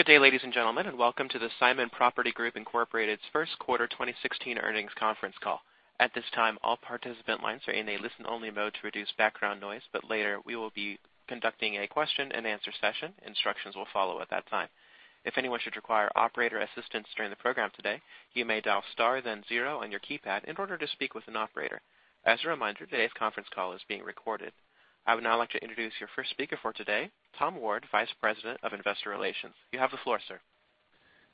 Good day, ladies and gentlemen, and welcome to the Simon Property Group Incorporated's first quarter 2016 earnings conference call. At this time, all participant lines are in a listen-only mode to reduce background noise, but later we will be conducting a question-and-answer session. Instructions will follow at that time. If anyone should require operator assistance during the program today, you may dial star then zero on your keypad in order to speak with an operator. As a reminder, today's conference call is being recorded. I would now like to introduce your first speaker for today, Tom Ward, Vice President of Investor Relations. You have the floor, sir.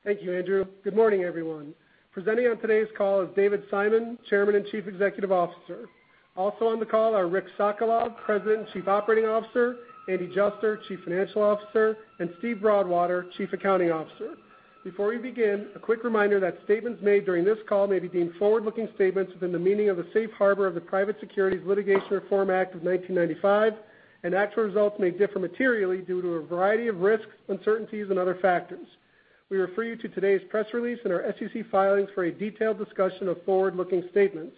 Thank you, Andrew. Good morning, everyone. Presenting on today's call is David Simon, Chairman and Chief Executive Officer. Also on the call are Richard Sokolov, President and Chief Operating Officer, Andrew Juster, Chief Financial Officer, and Steven Broadwater, Chief Accounting Officer. Before we begin, a quick reminder that statements made during this call may be deemed forward-looking statements within the meaning of the Safe Harbor of the Private Securities Litigation Reform Act of 1995. Actual results may differ materially due to a variety of risks, uncertainties, and other factors. We refer you to today's press release and our SEC filings for a detailed discussion of forward-looking statements.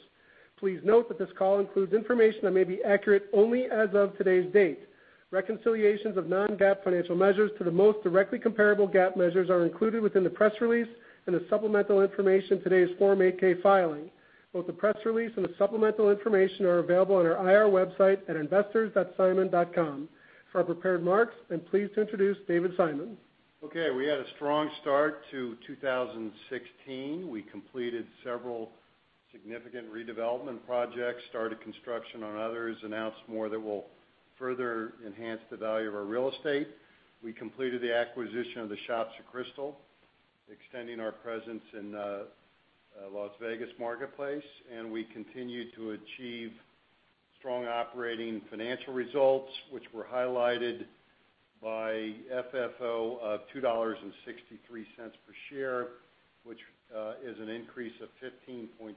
Please note that this call includes information that may be accurate only as of today's date. Reconciliations of non-GAAP financial measures to the most directly comparable GAAP measures are included within the press release and the supplemental information in today's Form 8-K filing. Both the press release and the supplemental information are available on our IR website at investors.simon.com. For our prepared remarks, I'm pleased to introduce David Simon. We had a strong start to 2016. We completed several significant redevelopment projects, started construction on others, announced more that will further enhance the value of our real estate. We completed the acquisition of The Shops at Crystals, extending our presence in the Las Vegas marketplace. We continued to achieve strong operating financial results, which were highlighted by FFO of $2.63 per share, which is an increase of 15.4%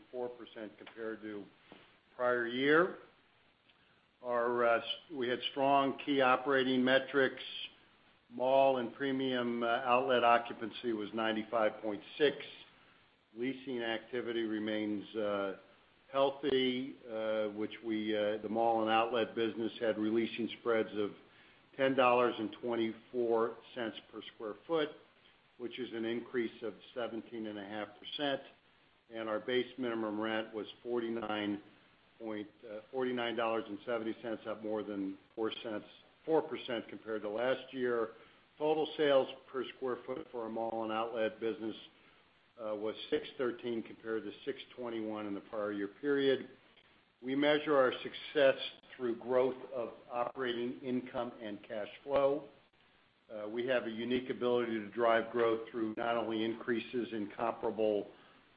compared to prior year. We had strong key operating metrics. Mall and Premium Outlet occupancy was 95.6%. Leasing activity remains healthy, which the mall and outlet business had re-leasing spreads of $10.24 per sq ft, which is an increase of 17.5%. Our base minimum rent was $49.70, up more than 4% compared to last year. Total sales per sq ft for our mall and outlet business was $6.13 compared to $6.21 in the prior year period. We measure our success through growth of operating income and cash flow. We have a unique ability to drive growth through not only increases in comparable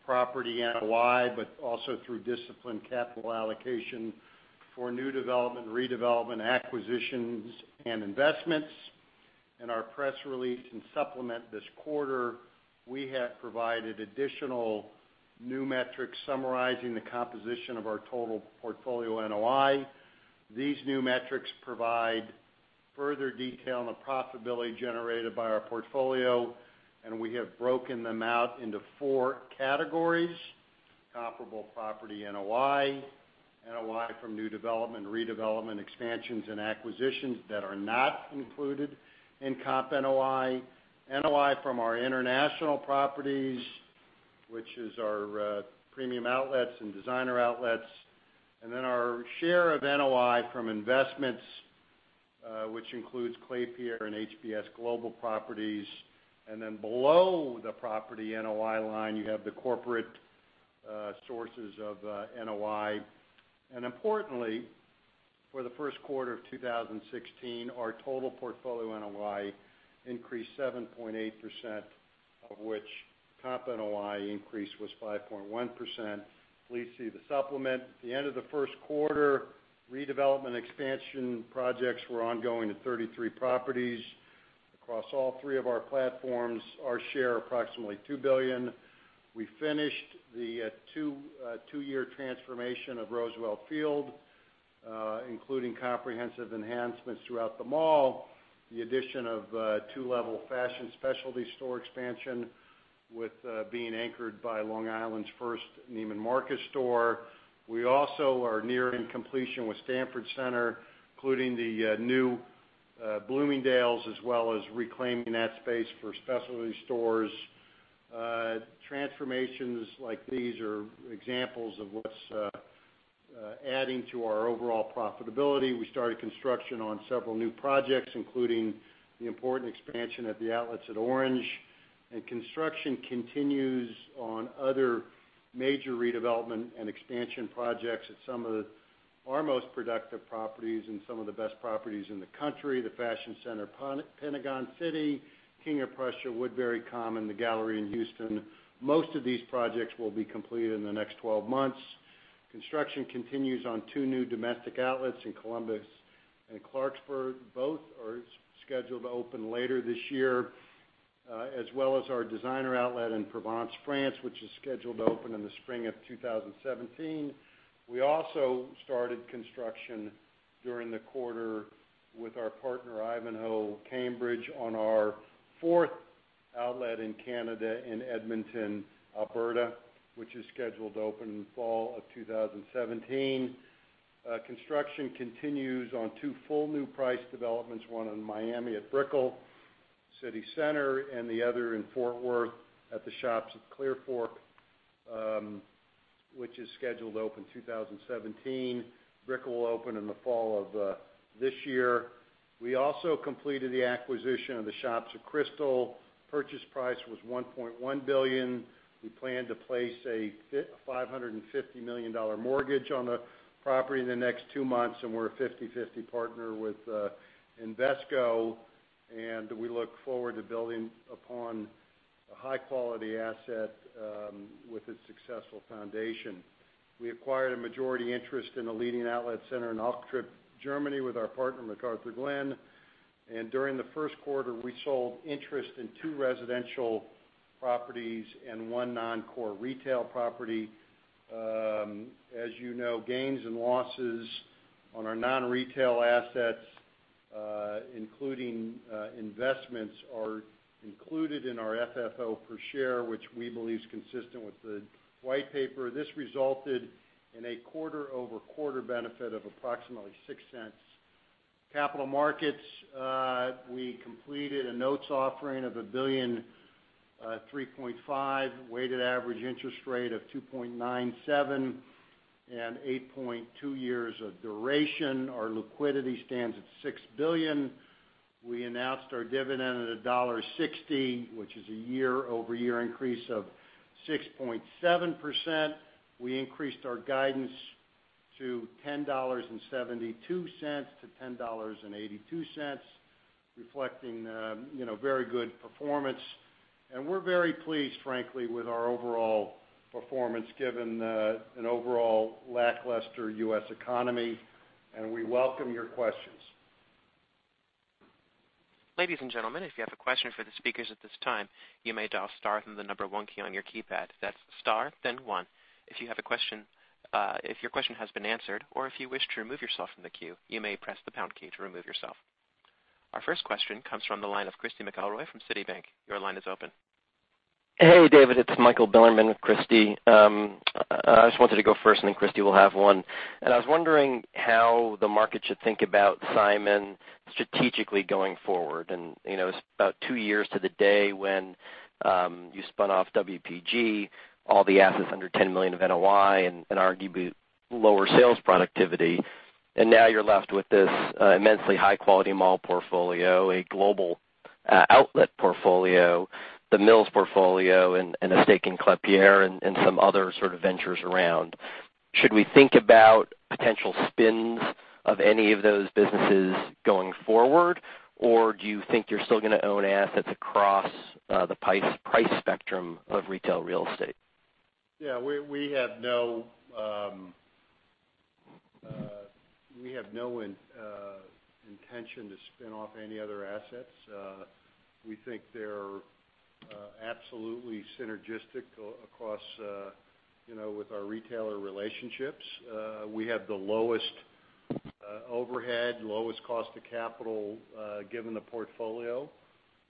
property NOI, but also through disciplined capital allocation for new development, redevelopment, acquisitions, and investments. In our press release and supplement this quarter, we have provided additional new metrics summarizing the composition of our total portfolio NOI. These new metrics provide further detail on the profitability generated by our portfolio, and we have broken them out into four categories: comparable property NOI from new development, redevelopment, expansions, and acquisitions that are not included in comp NOI from our international properties, which is our Premium Outlets and Designer Outlets, and then our share of NOI from investments, which includes Klépierre and HBS Global Properties. Below the property NOI line, you have the corporate sources of NOI. Importantly, for the first quarter of 2016, our total portfolio NOI increased 7.8%, of which comp NOI increase was 5.1%. Please see the supplement. At the end of the first quarter, redevelopment expansion projects were ongoing at 33 properties across all three of our platforms, our share approximately $2 billion. We finished the two-year transformation of Roosevelt Field, including comprehensive enhancements throughout the mall, the addition of a two-level fashion specialty store expansion with being anchored by Long Island's first Neiman Marcus store. We also are nearing completion with Stanford Shopping Center, including the new Bloomingdale's, as well as reclaiming that space for specialty stores. Transformations like these are examples of what's adding to our overall profitability. We started construction on several new projects, including the important expansion of The Outlets at Orange. Construction continues on other major redevelopment and expansion projects at some of our most productive properties and some of the best properties in the country, the Fashion Centre at Pentagon City, King of Prussia, Woodbury Common, The Galleria in Houston. Most of these projects will be completed in the next 12 months. Construction continues on two new domestic outlets in Columbus and Clarksburg. Both are scheduled to open later this year, as well as our Designer Outlet in Provence, France, which is scheduled to open in the spring of 2017. We also started construction during the quarter with our partner Ivanhoé Cambridge on our fourth outlet in Canada in Edmonton, Alberta, which is scheduled to open in fall of 2017. Construction continues on two full new price developments, one in Miami at Brickell City Centre and the other in Fort Worth at the Shops at Clearfork, which is scheduled to open 2017. Brickell will open in the fall of this year. We also completed the acquisition of The Shops at Crystals. Purchase price was $1.1 billion. We plan to place a $550 million mortgage on the property in the next two months. We're a 50/50 partner with Invesco. We look forward to building upon a high-quality asset with its successful foundation. We acquired a majority interest in a leading outlet center in Augsburg, Germany, with our partner, McArthurGlen. During the first quarter, we sold interest in two residential properties and one non-core retail property. As you know, gains and losses on our non-retail assets, including investments, are included in our FFO per share, which we believe is consistent with the white paper. This resulted in a quarter-over-quarter benefit of approximately $0.06. Capital markets, we completed a notes offering of $1 billion 3.5, weighted average interest rate of 2.97, and 8.2 years of duration. Our liquidity stands at $6 billion. We announced our dividend at $1.60, which is a year-over-year increase of 6.7%. We increased our guidance to $10.72 to $10.82, reflecting very good performance. We're very pleased, frankly, with our overall performance given an overall lackluster U.S. economy. We welcome your questions. Ladies and gentlemen, if you have a question for the speakers at this time, you may dial star and the number 1 key on your keypad. That's star then 1. If your question has been answered or if you wish to remove yourself from the queue, you may press the pound key to remove yourself. Our first question comes from the line of Christy McElroy from Citi. Your line is open. Hey, David. It's Michael Bilerman with Christy. I just wanted to go first, then Christy will have one. I was wondering how the market should think about Simon strategically going forward. It's about two years to the day when you spun off WPG, all the assets under $10 million of NOI and arguably lower sales productivity. Now you're left with this immensely high-quality mall portfolio, a global outlet portfolio, The Mills portfolio, and a stake in Klépierre and some other sort of ventures around. Should we think about potential spins of any of those businesses going forward, or do you think you're still going to own assets across the price spectrum of retail real estate? Yeah, we have no intention to spin off any other assets. We think they're absolutely synergistic across with our retailer relationships. We have the lowest overhead, lowest cost of capital, given the portfolio.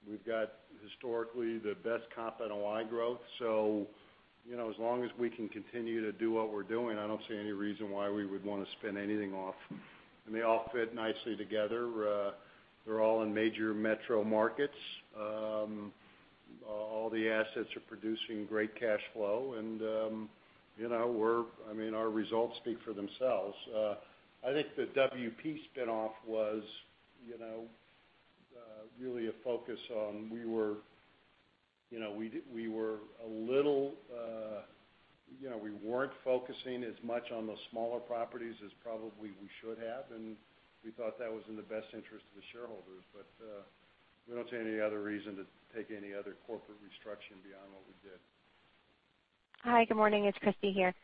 We've got historically the best comp NOI growth. As long as we can continue to do what we're doing, I don't see any reason why we would want to spin anything off. They all fit nicely together. They're all in major metro markets. All the assets are producing great cash flow. Our results speak for themselves. I think the WP spin-off was really a focus on we weren't focusing as much on the smaller properties as probably we should have, and we thought that was in the best interest of the shareholders. We don't see any other reason to take any other corporate restructure beyond what we did. Hi, good morning. It's Christy here.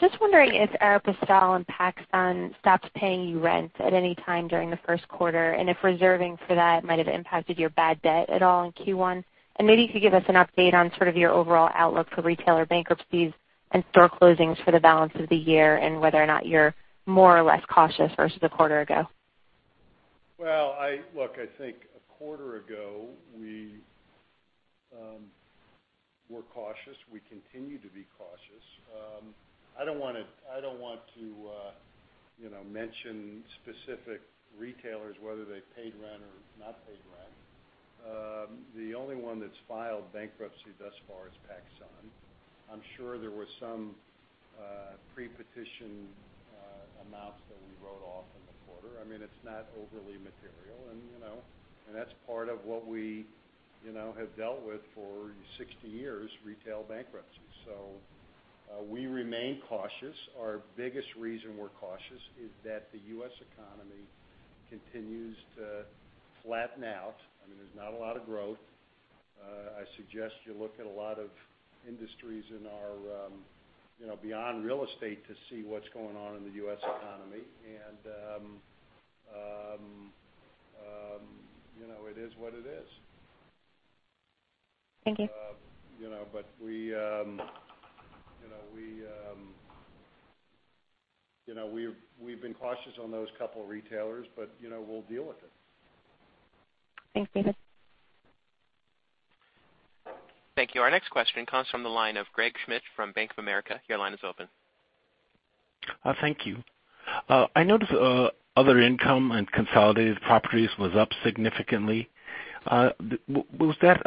Just wondering if Aéropostale and PacSun stopped paying you rent at any time during the first quarter, and if reserving for that might have impacted your bad debt at all in Q1. Maybe you could give us an update on sort of your overall outlook for retailer bankruptcies and store closings for the balance of the year, and whether or not you're more or less cautious versus a quarter ago. Look, I think a quarter ago, we were cautious. We continue to be cautious. I don't want to mention specific retailers, whether they paid rent or not paid rent. The only one that's filed bankruptcy thus far is PacSun. I'm sure there were some pre-petition amounts that we wrote off in the quarter. It's not overly material, and that's part of what we have dealt with for 60 years, retail bankruptcies. We remain cautious. Our biggest reason we're cautious is that the U.S. economy continues to flatten out. There's not a lot of growth. I suggest you look at a lot of industries beyond real estate to see what's going on in the U.S. economy. It is what it is. Thank you. We've been cautious on those couple of retailers, but we'll deal with it. Thanks, David. Thank you. Our next question comes from the line of Craig Schmidt from Bank of America. Your line is open. Thank you. I noticed other income and consolidated properties was up significantly. Was that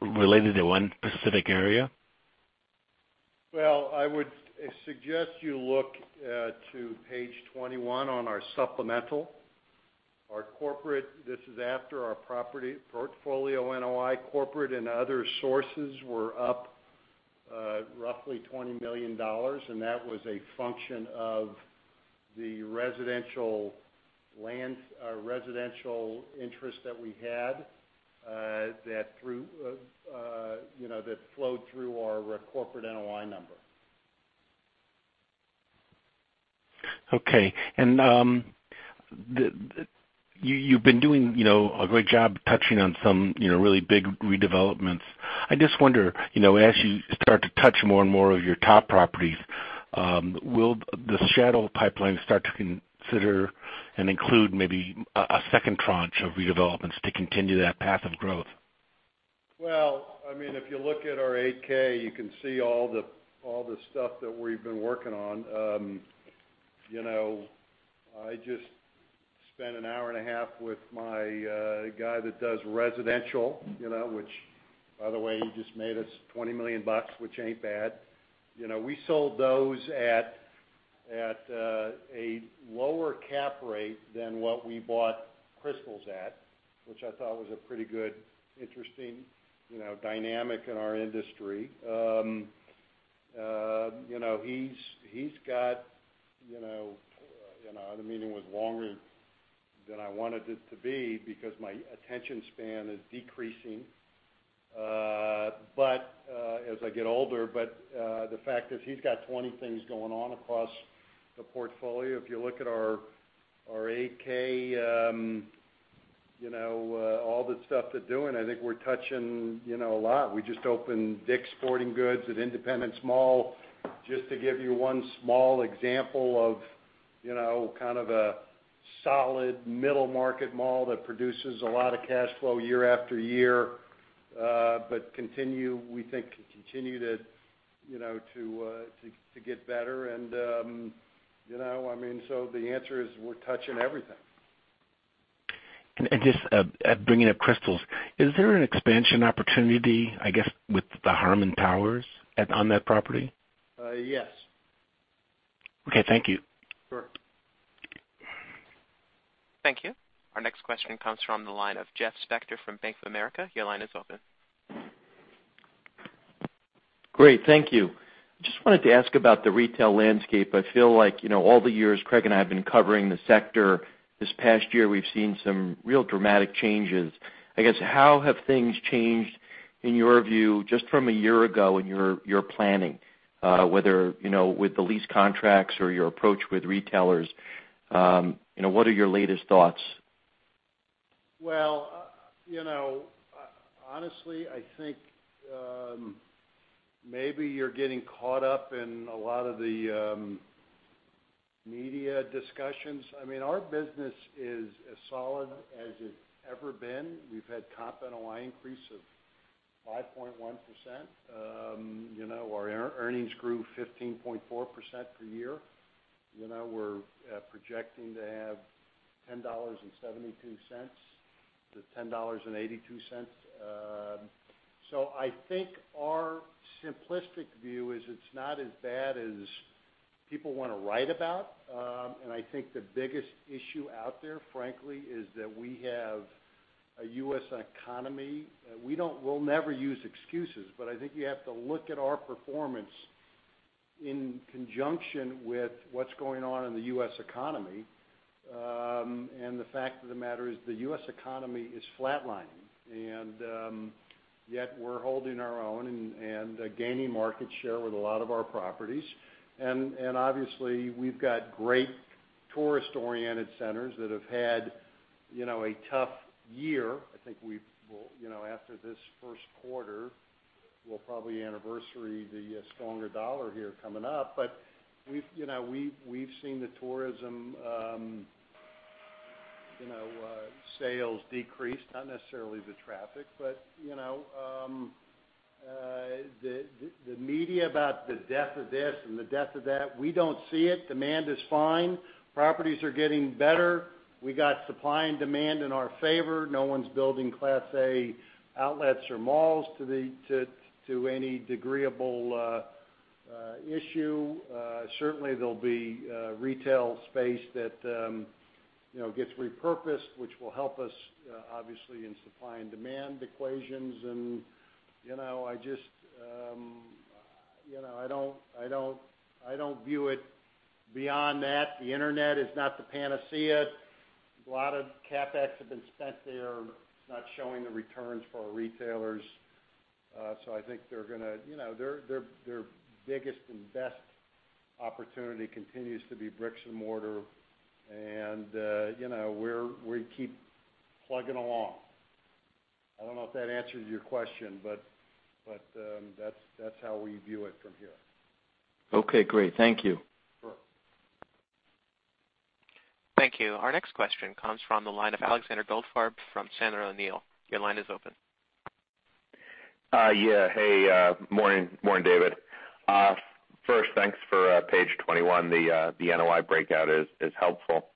related to one specific area? Well, I would suggest you look to page 21 on our supplemental. This is after our property portfolio NOI corporate and other sources were up roughly $20 million, and that was a function of the residential interest that we had, that flowed through our corporate NOI number. Okay. You've been doing a great job touching on some really big redevelopments. I just wonder, as you start to touch more and more of your top properties, will the shadow pipeline start to consider and include maybe a second tranche of redevelopments to continue that path of growth? Well, if you look at our 8-K, you can see all the stuff that we've been working on. I just spent an hour and a half with my guy that does residential, which by the way, he just made us $20 million, which ain't bad. We sold those at a lower cap rate than what we bought Crystals at, which I thought was a pretty good, interesting dynamic in our industry. The meeting was longer than I wanted it to be because my attention span is decreasing as I get older, but the fact is, he's got 20 things going on across the portfolio. If you look at our 8-K, all the stuff they're doing, I think we're touching a lot. We just opened DICK'S Sporting Goods at Independence Mall, just to give you one small example of kind of a solid middle-market mall that produces a lot of cash flow year after year, but we think can continue to get better. The answer is, we're touching everything. Just bringing up Crystals, is there an expansion opportunity, I guess, with the Harmon Tower on that property? Yes. Okay. Thank you. Sure. Thank you. Our next question comes from the line of Jeffrey Spector from Bank of America. Your line is open. Great. Thank you. Just wanted to ask about the retail landscape. I feel like, all the years Craig and I have been covering the sector, this past year, we've seen some real dramatic changes. How have things changed in your view just from a year ago in your planning, whether with the lease contracts or your approach with retailers, what are your latest thoughts? Well, honestly, I think maybe you're getting caught up in a lot of the media discussions. Our business is as solid as it's ever been. We've had comp NOI increase of 5.1%. Our earnings grew 15.4% per year. We're projecting to have $10.72-$10.82. I think our simplistic view is it's not as bad as people want to write about. I think the biggest issue out there, frankly, is that we have a U.S. economy. We'll never use excuses, but I think you have to look at our performance in conjunction with what's going on in the U.S. economy. The fact of the matter is the U.S. economy is flatlining, and yet we're holding our own and gaining market share with a lot of our properties. Obviously, we've got great tourist-oriented centers that have had a tough year. I think after this first quarter, we'll probably anniversary the stronger dollar here coming up. We've seen the tourism sales decrease, not necessarily the traffic. The media about the death of this and the death of that, we don't see it. Demand is fine. Properties are getting better. We got supply and demand in our favor. No one's building Class A outlets or malls to any degreeable issue. Certainly, there'll be retail space that gets repurposed, which will help us obviously in supply and demand equations, and I don't view it beyond that. The internet is not the panacea. A lot of CapEx have been spent there. It's not showing the returns for our retailers. I think their biggest and best opportunity continues to be bricks and mortar, and we keep plugging along. I don't know if that answers your question, that's how we view it from here. Okay, great. Thank you. Thank you. Our next question comes from the line of Alexander Goldfarb from Sandler O'Neill. Your line is open. Hey, morning, David. First, thanks for page 21. The NOI breakout is helpful.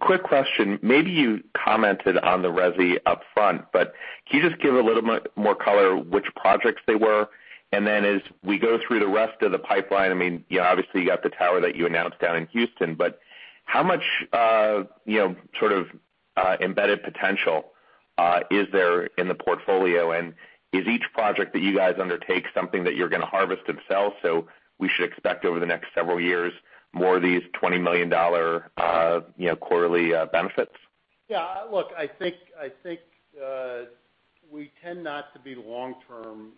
Quick question. Maybe you commented on the resi upfront, but can you just give a little more color which projects they were? As we go through the rest of the pipeline, obviously, you got the tower that you announced down in Houston, but how much sort of embedded potential is there in the portfolio? Is each project that you guys undertake something that you're going to harvest and sell, so we should expect over the next several years, more of these $20 million quarterly benefits? Look, I think we tend not to be long-term.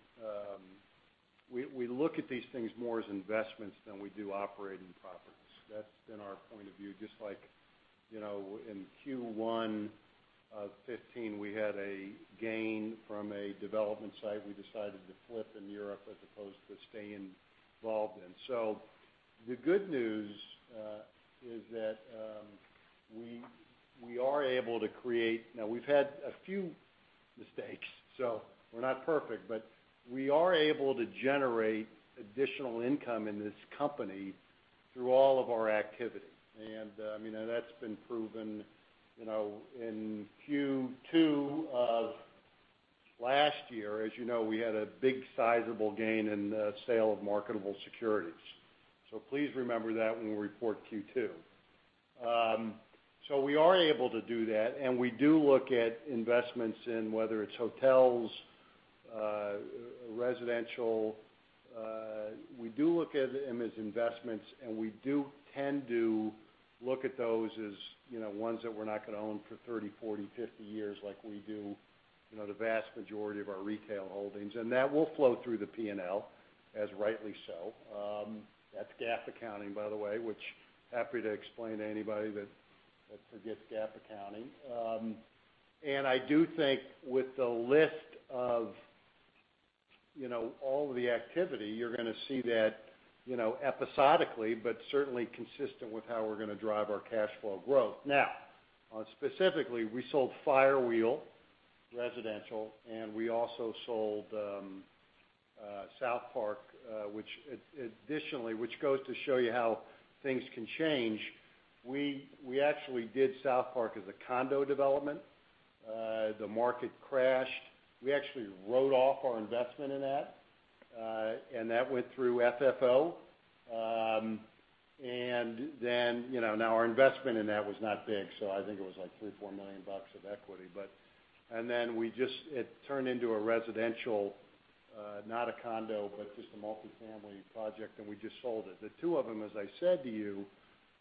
We look at these things more as investments than we do operating properties. That's been our point of view. Just like, in Q1 of 2015, we had a gain from a development site we decided to flip in Europe as opposed to staying involved in. The good news is that we are able to create Now, we've had a few mistakes, so we're not perfect, but we are able to generate additional income in this company through all of our activities. That's been proven, in Q2 of last year, as you know, we had a big sizable gain in the sale of marketable securities. Please remember that when we report Q2. We are able to do that, and we do look at investments in whether it's hotels, residential. We do look at them as investments, and we do tend to look at those as ones that we're not going to own for 30, 40, 50 years like we do the vast majority of our retail holdings. That will flow through the P&L, as rightly so. That's GAAP accounting, by the way, which happy to explain to anybody that forgets GAAP accounting. I do think with the list of all of the activity, you're going to see that episodically, but certainly consistent with how we're going to drive our cash flow growth. Specifically, we sold Firewheel Residential, and we also sold SouthPark, which additionally, which goes to show you how things can change. We actually did SouthPark as a condo development. The market crashed. We actually wrote off our investment in that, and that went through FFO. Now our investment in that was not big, so I think it was like $3 million or $4 million of equity. It turned into a residential, not a condo, but just a multifamily project, and we just sold it. The two of them, as I said to you,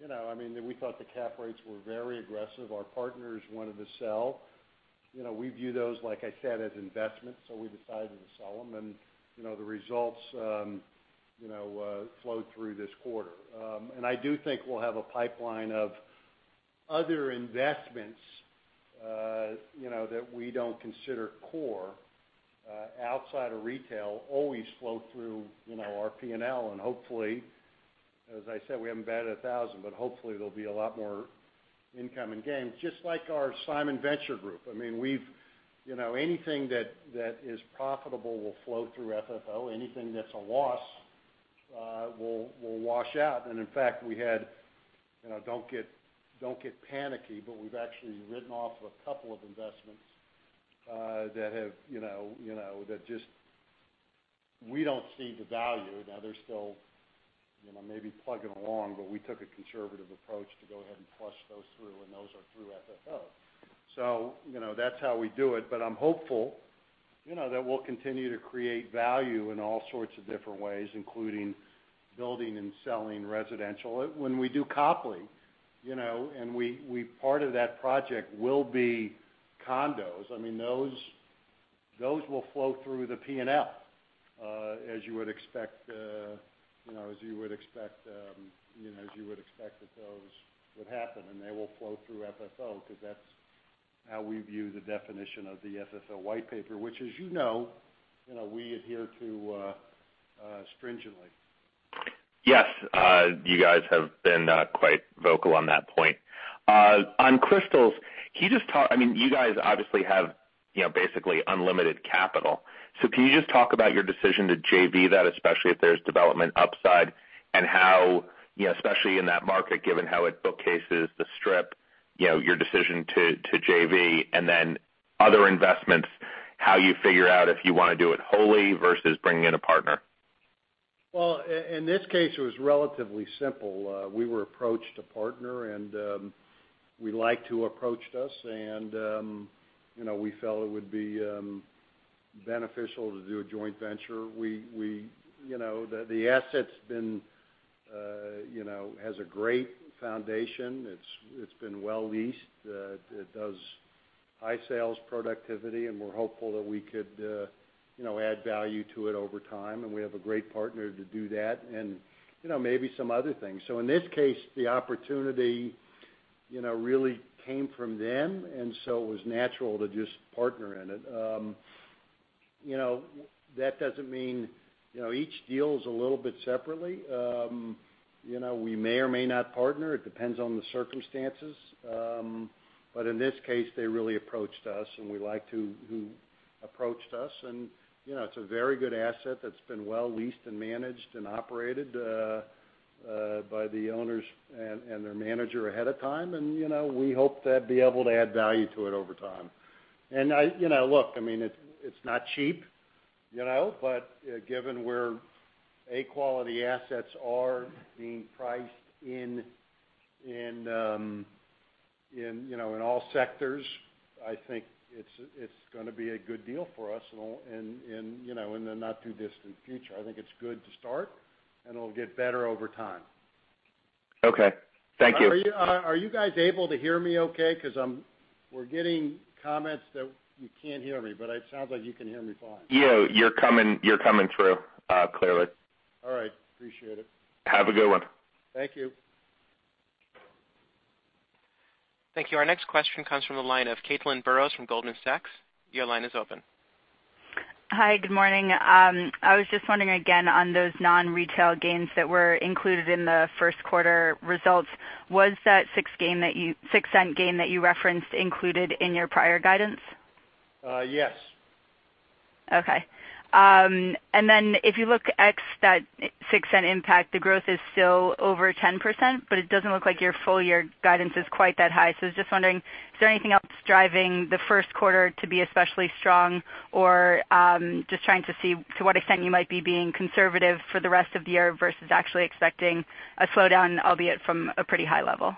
we thought the cap rates were very aggressive. Our partners wanted to sell. We view those, like I said, as investments, so we decided to sell them. The results flowed through this quarter. I do think we'll have a pipeline of other investments that we don't consider core, outside of retail, always flow through our P&L, and hopefully, as I said, we haven't batted 1,000, but hopefully there'll be a lot more incoming gains. Just like our Simon Venture Group. Anything that is profitable will flow through FFO. Anything that's a loss will wash out. In fact, we had, don't get panicky, but we've actually written off a couple of investments that just we don't see the value. Now they're still maybe plugging along, but we took a conservative approach to go ahead and flush those through, and those are through FFO. That's how we do it, but I'm hopeful that we'll continue to create value in all sorts of different ways, including building and selling residential. When we do Copley, and part of that project will be condos. Those will flow through the P&L, as you would expect that those would happen, and they will flow through FFO because that's how we view the definition of the FFO white paper, which as you know, we adhere to stringently. Yes. You guys have been quite vocal on that point. On Crystals, you guys obviously have basically unlimited capital. Can you just talk about your decision to JV that, especially if there's development upside, and how, especially in that market, given how it bookcases the strip, your decision to JV, and then other investments, how you figure out if you want to do it wholly versus bringing in a partner? Well, in this case, it was relatively simple. We were approached to partner, and we liked who approached us, and we felt it would be beneficial to do a joint venture. The asset has a great foundation. It's been well leased. It does high sales productivity, and we're hopeful that we could add value to it over time, and we have a great partner to do that, and maybe some other things. In this case, the opportunity really came from them, and so it was natural to just partner in it. That doesn't mean each deal is a little bit separately. We may or may not partner. It depends on the circumstances. In this case, they really approached us, and we like who approached us. It's a very good asset that's been well leased and managed and operated by the owners and their manager ahead of time. We hope to be able to add value to it over time. Look, it's not cheap. Given where A quality assets are being priced in all sectors, I think it's going to be a good deal for us in the not too distant future. I think it's good to start, and it'll get better over time. Okay. Thank you. Are you guys able to hear me okay? Because we're getting comments that you can't hear me, but it sounds like you can hear me fine. Yeah, you're coming through clearly. All right. Appreciate it. Have a good one. Thank you. Thank you. Our next question comes from the line of Caitlin Burrows from Goldman Sachs. Your line is open. Hi, good morning. I was just wondering again on those non-retail gains that were included in the first quarter results. Was that $0.06 gain that you referenced included in your prior guidance? Yes. Okay. Then if you look ex that $0.06 impact, the growth is still over 10%. It doesn't look like your full year guidance is quite that high. Just wondering, is there anything else driving the first quarter to be especially strong? Or just trying to see to what extent you might be being conservative for the rest of the year versus actually expecting a slowdown, albeit from a pretty high level.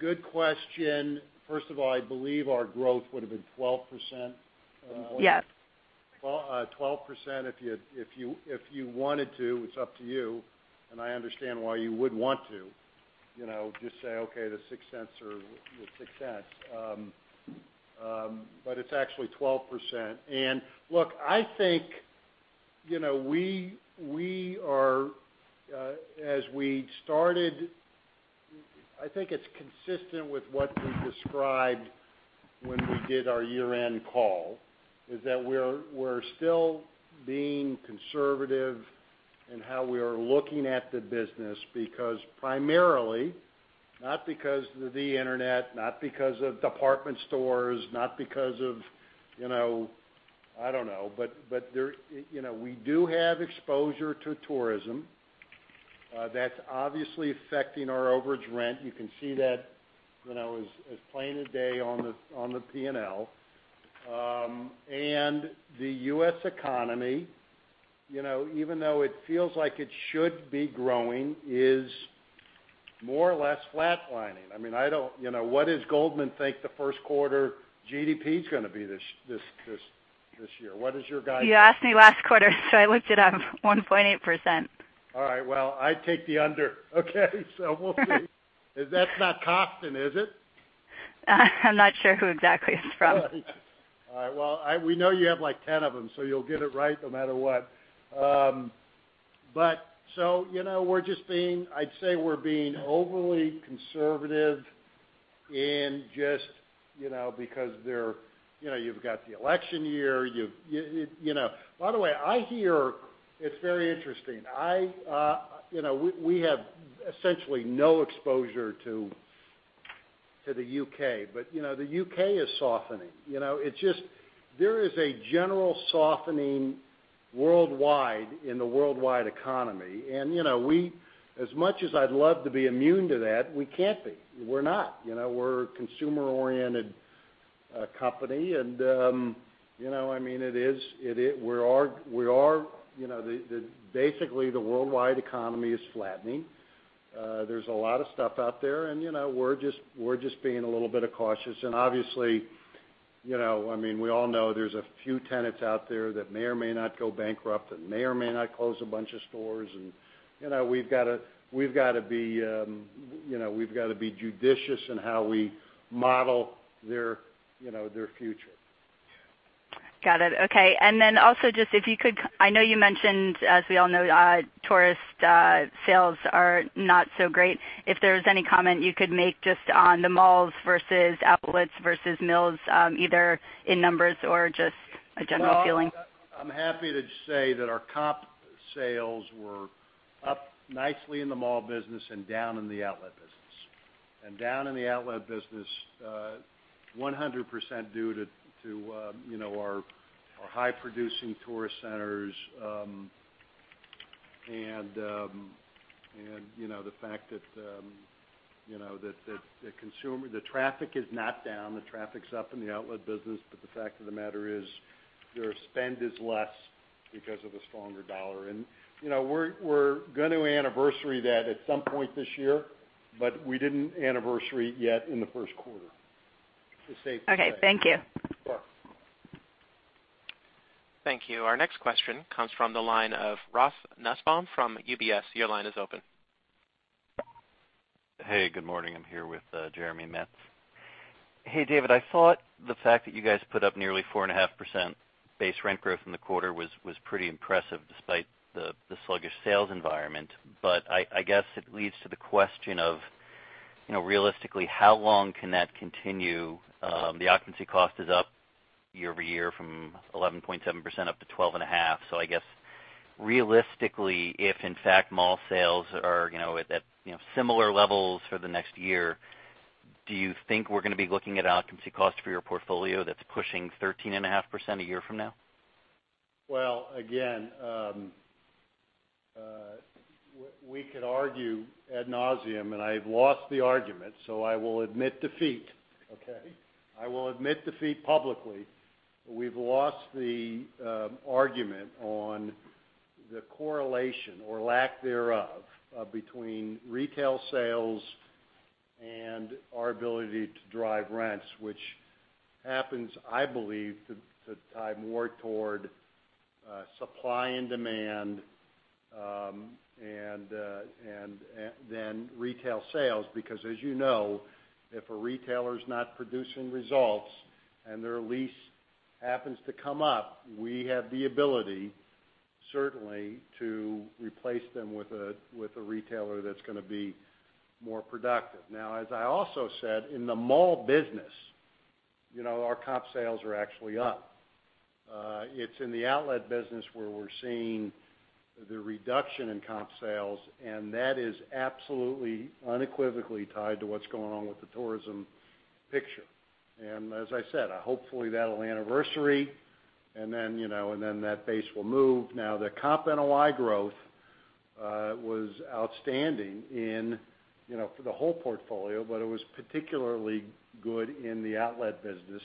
Good question. First of all, I believe our growth would have been 12%. Yes. 12%, if you wanted to, it's up to you. I understand why you would want to, just say, okay, the $0.06 are the $0.06. It's actually 12%. Look, I think as we started, I think it's consistent with what we described when we did our year-end call, is that we're still being conservative in how we are looking at the business because primarily, not because of the internet, not because of department stores, not because of, I don't know. We do have exposure to tourism. That's obviously affecting our overage rent. You can see that as plain as day on the P&L. The U.S. economy, even though it feels like it should be growing, is more or less flatlining. What does Goldman think the first quarter GDP is going to be this year? What is your guys' guess? You asked me last quarter, I looked it up, 1.8%. All right. Well, I take the under. Okay, we'll see. That's not 12, is it? I'm not sure who exactly it's from. All right. Well, we know you have 10 of them, you'll get it right no matter what. I'd say we're being overly conservative because you've got the election year. By the way, I hear it's very interesting. We have essentially no exposure to the U.K., the U.K. is softening. There is a general softening worldwide in the worldwide economy. As much as I'd love to be immune to that, we can't be. We're not. We're a consumer-oriented company, basically, the worldwide economy is flattening. There's a lot of stuff out there, we're just being a little bit cautious. Obviously, we all know there's a few tenants out there that may or may not go bankrupt and may or may not close a bunch of stores. We've got to be judicious in how we model their future. Got it. Okay. Also, I know you mentioned, as we all know, tourist sales are not so great. If there's any comment you could make just on the malls versus outlets versus mills, either in numbers or just a general feeling. Well, I'm happy to say that our comp sales were up nicely in the mall business and down in the outlet business. Down in the outlet business, 100% due to our high producing tourist centers, and the fact that the traffic is not down. The traffic's up in the outlet business, but the fact of the matter is their spend is less because of the stronger dollar. We're going to anniversary that at some point this year, but we didn't anniversary yet in the first quarter, it's safe to say. Okay. Thank you. Sure. Thank you. Our next question comes from the line of Ross Nussbaum from UBS. Your line is open. Hey, good morning. I'm here with Jeremy Metz. Hey, David, I thought the fact that you guys put up nearly 4.5% base rent growth in the quarter was pretty impressive despite the sluggish sales environment. Realistically, how long can that continue? The occupancy cost is up year-over-year from 11.7% up to 12.5%. I guess, realistically, if in fact mall sales are at similar levels for the next year, do you think we're going to be looking at occupancy cost for your portfolio that's pushing 13.5% a year from now? Again, we could argue ad nauseam, and I've lost the argument, so I will admit defeat. Okay. I will admit defeat publicly. We've lost the argument on the correlation, or lack thereof, between retail sales and our ability to drive rents, which happens, I believe, to tie more toward supply and demand than retail sales. As you know, if a retailer's not producing results and their lease happens to come up, we have the ability, certainly, to replace them with a retailer that's going to be more productive. As I also said, in the mall business, our comp sales are actually up. It's in the outlet business where we're seeing the reduction in comp sales, and that is absolutely, unequivocally tied to what's going on with the tourism picture. As I said, hopefully that'll anniversary, and then that base will move. The comp NOI growth was outstanding for the whole portfolio, but it was particularly good in the outlet business.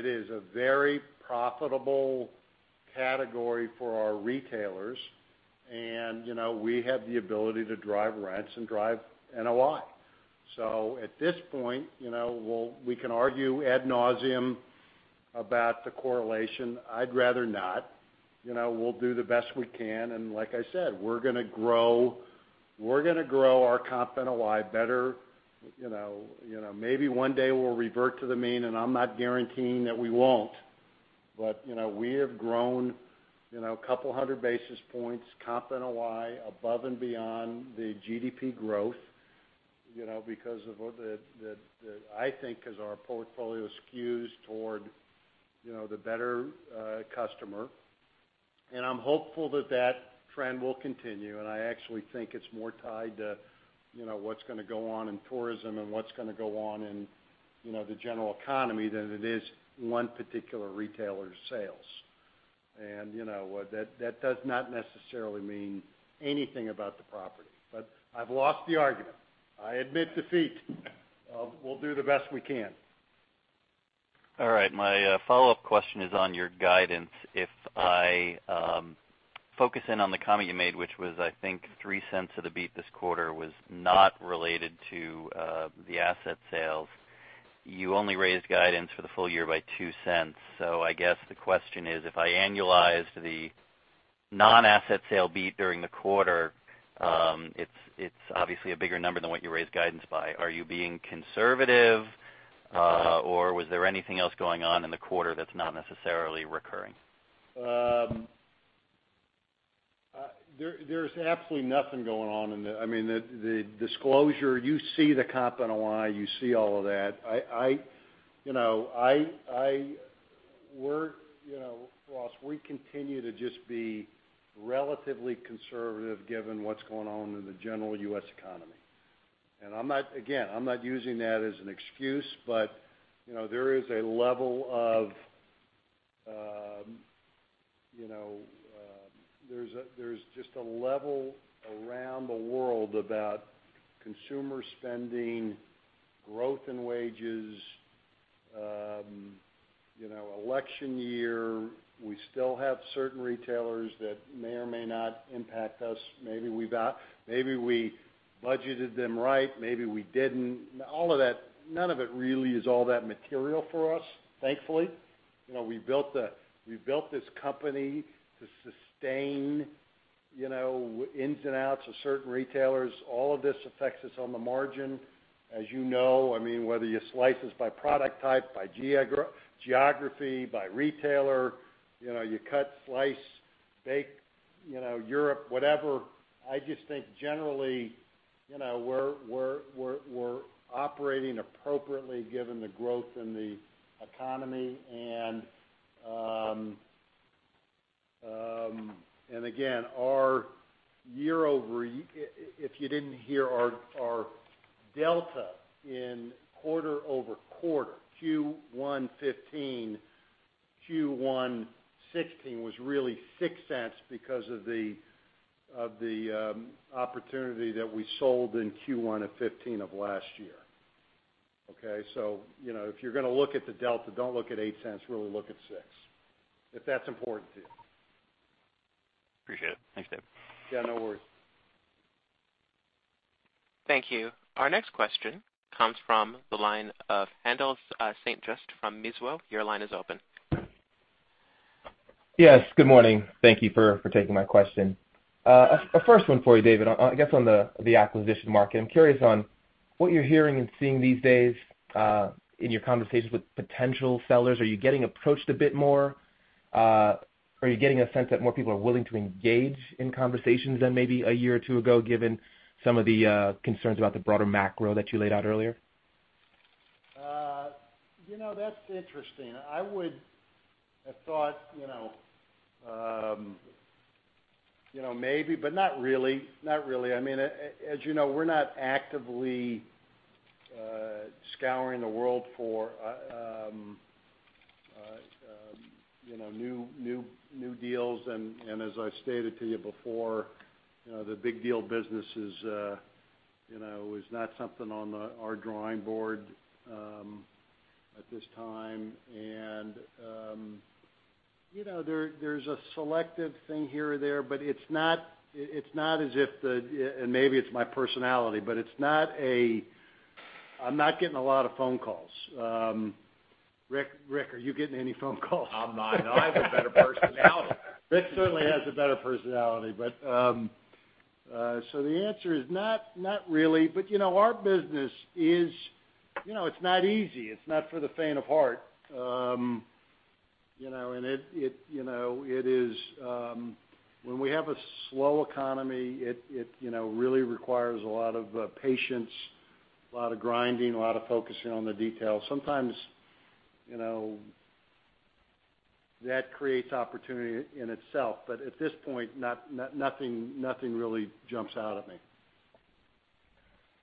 It is a very profitable category for our retailers, and we have the ability to drive rents and drive NOI. At this point, we can argue ad nauseam about the correlation. I'd rather not. We'll do the best we can, and like I said, we're going to grow our comp NOI better. Maybe one day we'll revert to the mean, and I'm not guaranteeing that we won't. We have grown a couple hundred basis points comp NOI above and beyond the GDP growth, because of what I think is our portfolio skews toward the better customer. I'm hopeful that that trend will continue, and I actually think it's more tied to what's going to go on in tourism and what's going to go on in the general economy than it is one particular retailer's sales. That does not necessarily mean anything about the property. I've lost the argument. I admit defeat. We'll do the best we can. All right. My follow-up question is on your guidance. If I focus in on the comment you made, which was, I think, $0.03 of the beat this quarter was not related to the asset sales. You only raised guidance for the full year by $0.02. I guess the question is, if I annualize the non-asset sale beat during the quarter, it's obviously a bigger number than what you raised guidance by. Are you being conservative, or was there anything else going on in the quarter that's not necessarily recurring? There's absolutely nothing going on in the disclosure, you see the comp NOI, you see all of that. Ross, we continue to just be relatively conservative given what's going on in the general U.S. economy. Again, I'm not using that as an excuse, but there's just a level around the world about consumer spending, growth in wages, election year. We still have certain retailers that may or may not impact us. Maybe we budgeted them right, maybe we didn't. None of it really is all that material for us, thankfully. We built this company to sustain ins and outs of certain retailers. All of this affects us on the margin, as you know. Whether you slice us by product type, by geography, by retailer. You cut, slice, bake, Europe, whatever. I just think generally, we're operating appropriately given the growth in the economy and again, if you didn't hear our delta in quarter-over-quarter, Q1 2015, Q1 2016 was really $0.06 because of the opportunity that we sold in Q1 of 2015 of last year. Okay? If you're going to look at the delta, don't look at $0.08, really look at $0.06, if that's important to you. Appreciate it. Thanks, David. Yeah, no worries. Thank you. Our next question comes from the line of Haendel St. Juste from Mizuho. Your line is open. Yes, good morning. Thank you for taking my question. A first one for you, David, I guess on the acquisition market. I'm curious on what you're hearing and seeing these days in your conversations with potential sellers. Are you getting approached a bit more? Are you getting a sense that more people are willing to engage in conversations than maybe a year or two ago, given some of the concerns about the broader macro that you laid out earlier? That's interesting. I would have thought maybe, but not really. As you know, we're not actively scouring the world for new deals, and as I stated to you before, the big deal business is not something on our drawing board at this time. There's a selective thing here or there, but it's not as if the maybe it's my personality, but I'm not getting a lot of phone calls. Rick, are you getting any phone calls? I'm not. No, I have a better personality. Rick certainly has a better personality. The answer is not really. Our business is not easy. It's not for the faint of heart. When we have a slow economy, it really requires a lot of patience, a lot of grinding, a lot of focusing on the details. Sometimes, that creates opportunity in itself. At this point, nothing really jumps out at me.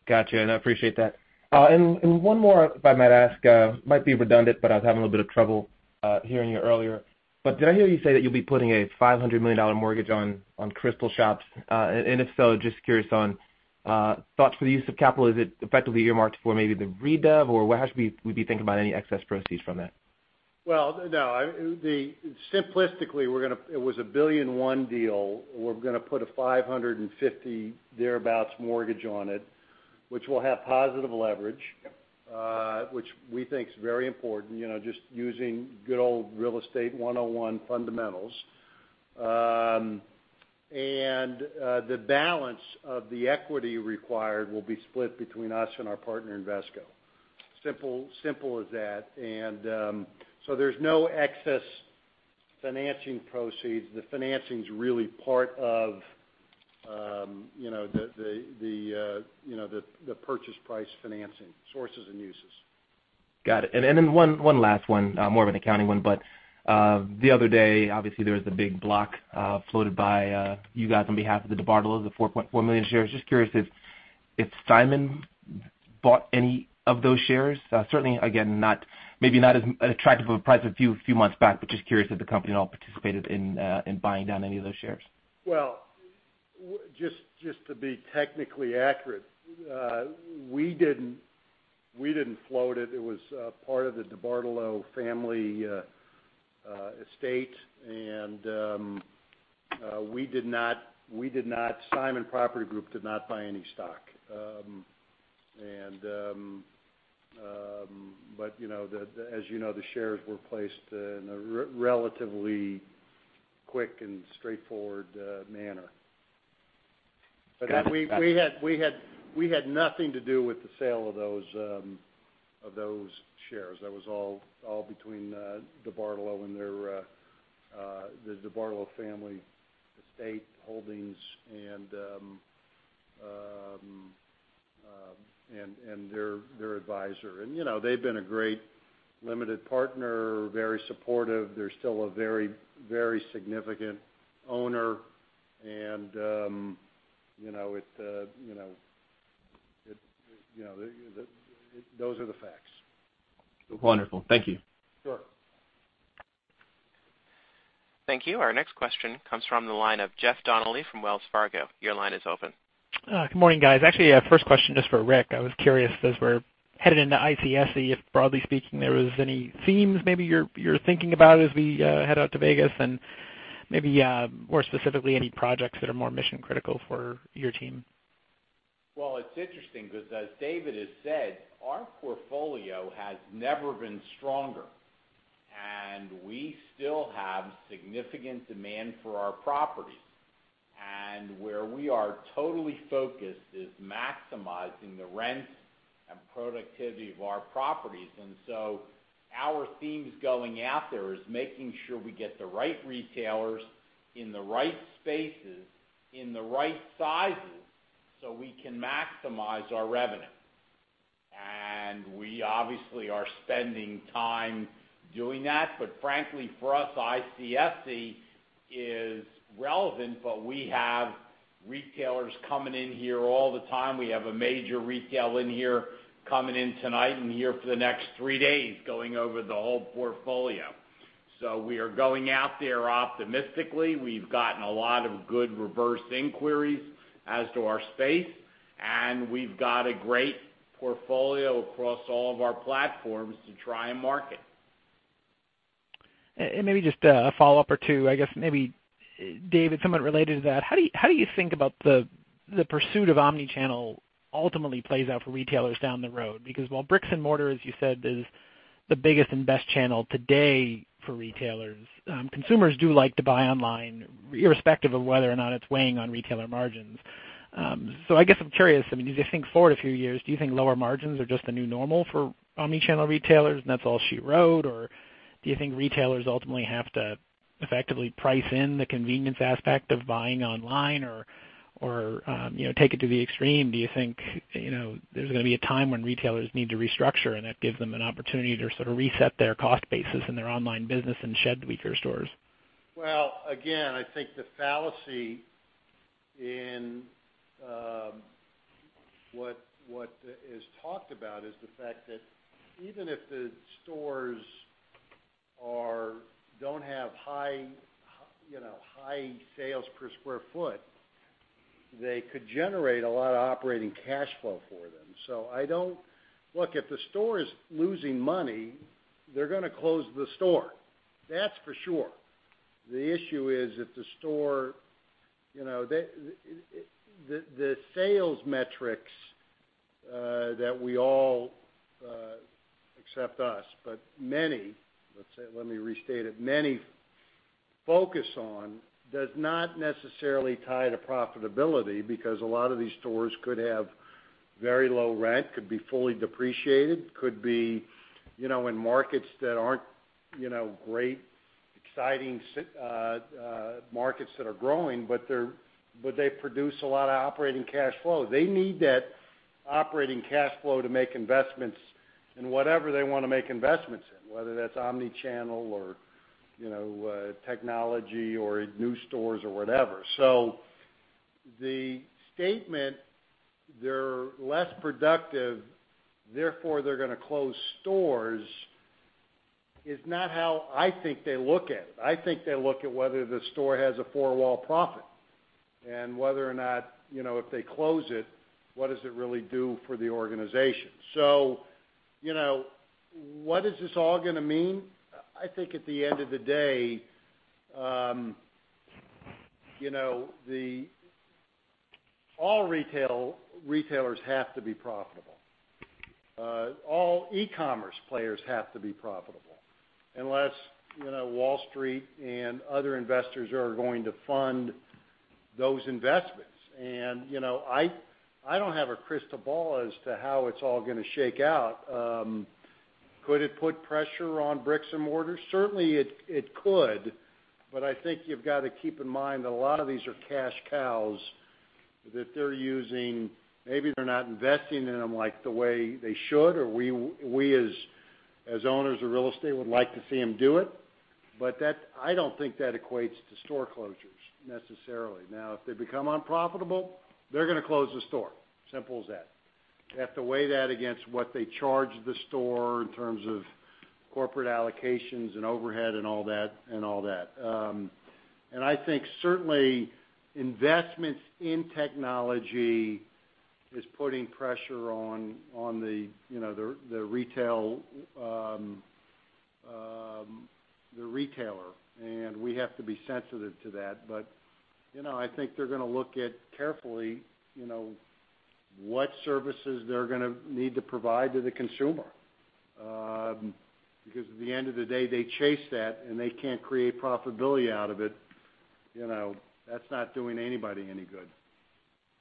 Got you, I appreciate that. One more, if I might ask. Might be redundant, but I was having a little bit of trouble hearing you earlier. Did I hear you say that you'll be putting a $500 million mortgage on The Shops at Crystals? If so, just curious on thoughts for the use of capital. Is it effectively earmarked for maybe the redev, or how should we be thinking about any excess proceeds from that? Well, no. Simplistically, it was a $1.1 billion deal. We're going to put a $550 million thereabouts mortgage on it, which will have positive leverage, which we think is very important, just using good old real estate 101 fundamentals. The balance of the equity required will be split between us and our partner, Invesco. Simple as that. There's no excess financing proceeds. The financing's really part of the purchase price financing, sources and uses. Got it. One last one, more of an accounting one. The other day, obviously, there was the big block floated by you guys on behalf of the DeBartolos, the 4.4 million shares. Just curious if Simon bought any of those shares. Certainly, again, maybe not as attractive of a price a few months back, but just curious if the company at all participated in buying down any of those shares. Well, just to be technically accurate, we didn't float it. It was part of the DeBartolo family estate. Simon Property Group did not buy any stock. As you know, the shares were placed in a relatively quick and straightforward manner. Got you. We had nothing to do with the sale of those shares. That was all between DeBartolo and the DeBartolo family estate holdings, and their advisor. They've been a great limited partner, very supportive. They're still a very significant owner, and those are the facts. Wonderful. Thank you. Sure. Thank you. Our next question comes from the line of Jeff Donnelly from Wells Fargo. Your line is open. Good morning, guys. Actually, first question just for Rick. I was curious, as we're headed into ICSC, if broadly speaking, there was any themes maybe you're thinking about as we head out to Vegas, and maybe more specifically, any projects that are more mission-critical for your team. Well, it's interesting because as David has said, our portfolio has never been stronger, and we still have significant demand for our properties. Where we are totally focused is maximizing the rents and productivity of our properties. Our themes going out there is making sure we get the right retailers in the right spaces, in the right sizes so we can maximize our revenue. We obviously are spending time doing that, but frankly, for us, ICSC is relevant, but we have retailers coming in here all the time. We have a major retail in here coming in tonight and here for the next three days, going over the whole portfolio. We are going out there optimistically. We've gotten a lot of good reverse inquiries as to our space, and we've got a great portfolio across all of our platforms to try and market. Maybe just a follow-up or two, I guess maybe, David, somewhat related to that. How do you think about the pursuit of omni-channel ultimately plays out for retailers down the road? Because while bricks and mortar, as you said, is the biggest and best channel today for retailers. Consumers do like to buy online, irrespective of whether or not it's weighing on retailer margins. I guess I'm curious, as you think forward a few years, do you think lower margins are just the new normal for omni-channel retailers and that's all she wrote? Do you think retailers ultimately have to effectively price in the convenience aspect of buying online or take it to the extreme? Do you think there's going to be a time when retailers need to restructure and that gives them an opportunity to sort of reset their cost basis in their online business and shed weaker stores? Again, I think the fallacy in what is talked about is the fact that even if the stores don't have high sales per square foot, they could generate a lot of operating cash flow for them. Look, if the store is losing money, they're going to close the store. That's for sure. The issue is if the sales metrics that we all, except us, but many focus on, does not necessarily tie to profitability because a lot of these stores could have very low rent, could be fully depreciated, could be in markets that aren't great, exciting markets that are growing, but they produce a lot of operating cash flow. They need that operating cash flow to make investments in whatever they want to make investments in, whether that's omni-channel or technology, or new stores or whatever. The statement, "They're less productive, therefore they're going to close stores," is not how I think they look at it. I think they look at whether the store has a four-wall profit and whether or not, if they close it, what does it really do for the organization. What is this all going to mean? I think at the end of the day all retailers have to be profitable. All e-commerce players have to be profitable, unless Wall Street and other investors are going to fund those investments. I don't have a crystal ball as to how it's all going to shake out. Could it put pressure on bricks-and-mortars? Certainly, it could. I think you've got to keep in mind that a lot of these are cash cows that they're using. Maybe they're not investing in them the way they should, or we as owners of real estate would like to see them do it, but I don't think that equates to store closures necessarily. If they become unprofitable, they're going to close the store, simple as that. They have to weigh that against what they charge the store in terms of corporate allocations and overhead and all that. I think certainly investments in technology is putting pressure on the retailer, and we have to be sensitive to that. I think they're going to look at carefully what services they're going to need to provide to the consumer. At the end of the day, they chase that and they can't create profitability out of it, that's not doing anybody any good.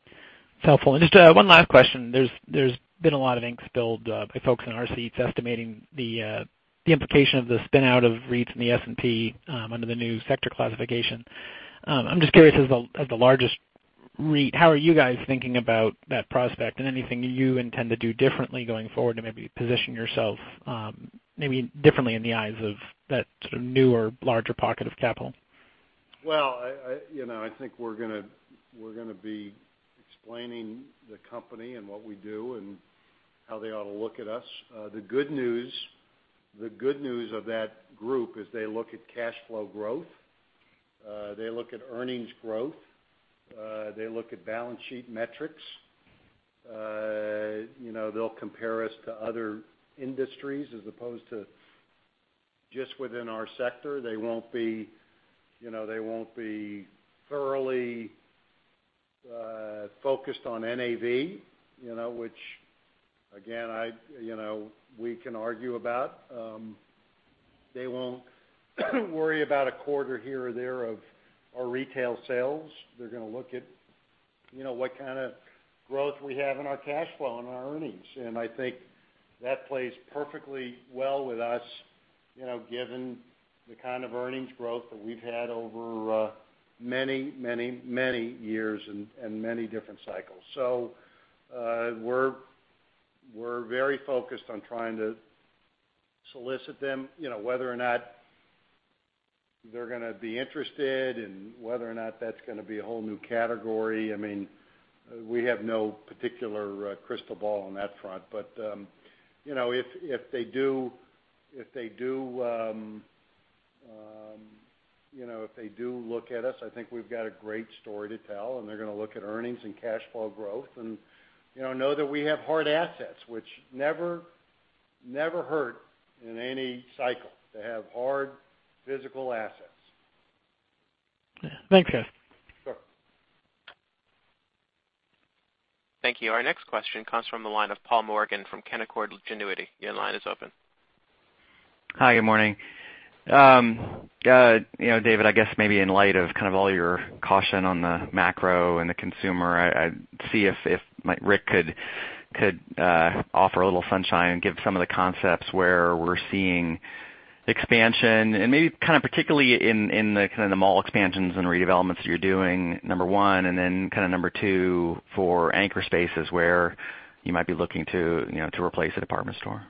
It's helpful. Just one last question. There's been a lot of ink spilled by folks in our seats estimating the implication of the spin-out of REITs and the S&P under the new sector classification. I'm just curious, as the largest REIT, how are you guys thinking about that prospect and anything you intend to do differently going forward to maybe position yourself maybe differently in the eyes of that sort of newer, larger pocket of capital? Well, I think we're going to be explaining the company and what we do and how they ought to look at us. The good news of that group is they look at cash flow growth, they look at earnings growth, they look at balance sheet metrics. They'll compare us to other industries as opposed to just within our sector. They won't be thoroughly focused on NAV, which again, we can argue about. They won't worry about a quarter here or there of our retail sales. They're going to look at what kind of growth we have in our cash flow and our earnings. I think that plays perfectly well with us, given the kind of earnings growth that we've had over many years and many different cycles. We're very focused on trying to solicit them, whether or not they're going to be interested and whether or not that's going to be a whole new category. We have no particular crystal ball on that front. If they do look at us, I think we've got a great story to tell, and they're going to look at earnings and cash flow growth and know that we have hard assets, which never hurt in any cycle to have hard physical assets. Yeah. Thanks, Jeff. Thank you. Our next question comes from the line of Paul Morgan from Canaccord Genuity. Your line is open. Hi, good morning. David, I guess maybe in light of all your caution on the macro and the consumer, I'd see if Rick could offer a little sunshine, give some of the concepts where we're seeing expansion, and maybe particularly in the mall expansions and redevelopments you're doing, number one. Number two, for anchor spaces where you might be looking to replace a department store.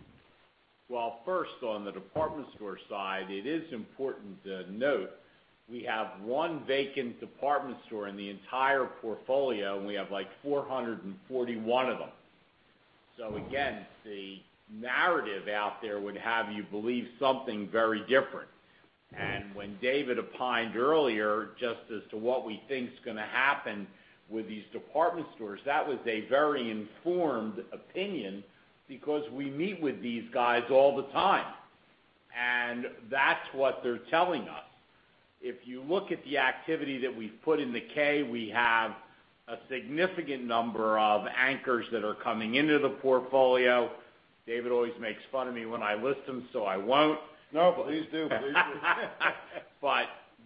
Well, first, on the department store side, it is important to note we have one vacant department store in the entire portfolio, and we have 441 of them. Again, the narrative out there would have you believe something very different. When David opined earlier, just as to what we think is going to happen with these department stores, that was a very informed opinion because we meet with these guys all the time, and that's what they're telling us. If you look at the activity that we've put in the K, we have a significant number of anchors that are coming into the portfolio. David always makes fun of me when I list them, I won't. No, please do.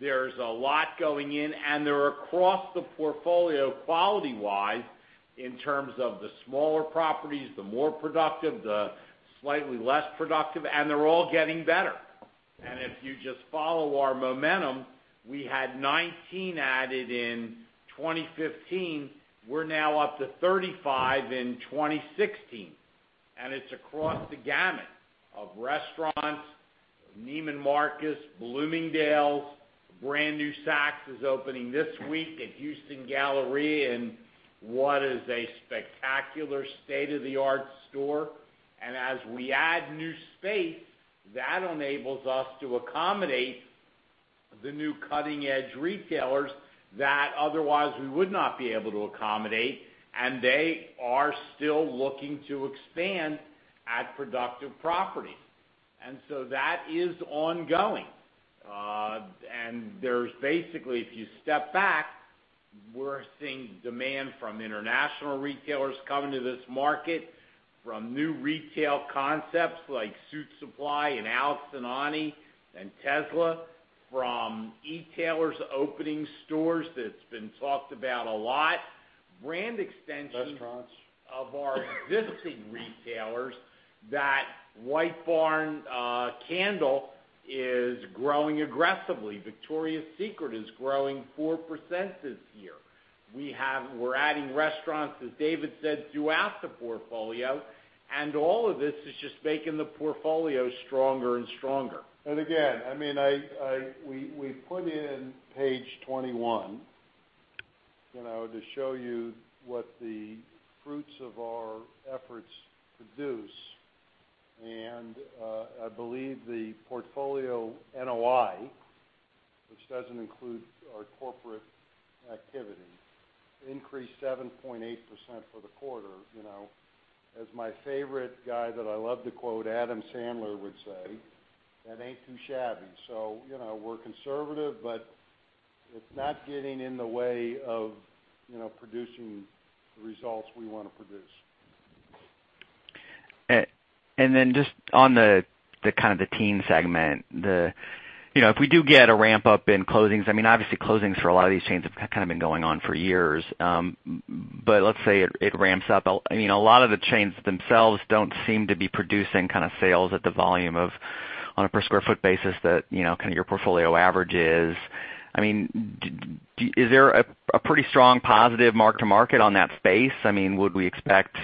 There's a lot going in, they're across the portfolio quality-wise in terms of the smaller properties, the more productive, the slightly less productive, they're all getting better. If you just follow our momentum, we had 19 added in 2015. We're now up to 35 in 2016, it's across the gamut of restaurants, Neiman Marcus, Bloomingdale's, a brand-new Saks is opening this week at Houston Galleria in what is a spectacular state-of-the-art store. As we add new space, that enables us to accommodate the new cutting-edge retailers that otherwise we would not be able to accommodate, they are still looking to expand at productive properties. That is ongoing. There's basically, if you step back, we're seeing demand from international retailers coming to this market, from new retail concepts like Suitsupply and alice + olivia and Tesla, from e-tailers opening stores that's been talked about a lot. Brand extensions. Restaurants of our existing retailers, that White Barn Candle Co. is growing aggressively. Victoria's Secret is growing 4% this year. We're adding restaurants, as David said, throughout the portfolio, all of this is just making the portfolio stronger and stronger. Again, we put in page 21 to show you what the fruits of our efforts produce. I believe the portfolio NOI, which doesn't include our corporate activity, increased 7.8% for the quarter. As my favorite guy that I love to quote, Adam Sandler, would say, "That ain't too shabby." We're conservative, but it's not getting in the way of producing the results we want to produce. Just on the teen segment, if we do get a ramp-up in closings, obviously closings for a lot of these chains have been going on for years. Let's say it ramps up. A lot of the chains themselves don't seem to be producing sales at the volume of on a per square foot basis that your portfolio averages. Is there a pretty strong positive mark to market on that space? Would we expect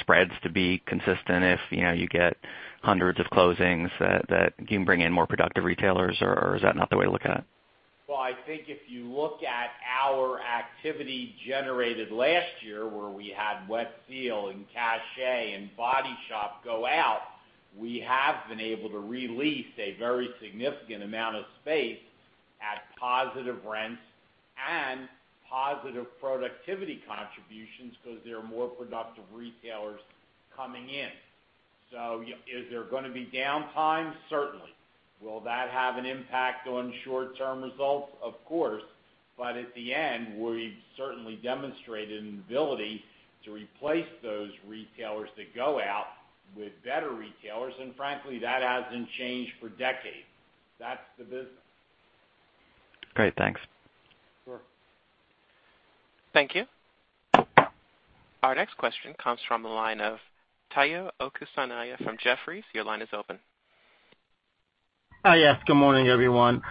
spreads to be consistent if you get hundreds of closings that you can bring in more productive retailers, or is that not the way to look at it? I think if you look at our activity generated last year, where we had Wet Seal and Caché and Body Shop go out, we have been able to re-lease a very significant amount of space at positive rents and positive productivity contributions because there are more productive retailers coming in. Is there going to be downtime? Certainly. Will that have an impact on short-term results? Of course. At the end, we've certainly demonstrated an ability to replace those retailers that go out with better retailers, and frankly, that hasn't changed for decades. That's the business. Great. Thanks. Sure. Thank you. Our next question comes from the line of Tayo Okusanya from Jefferies. Your line is open. Hi. Yes, good morning, everyone.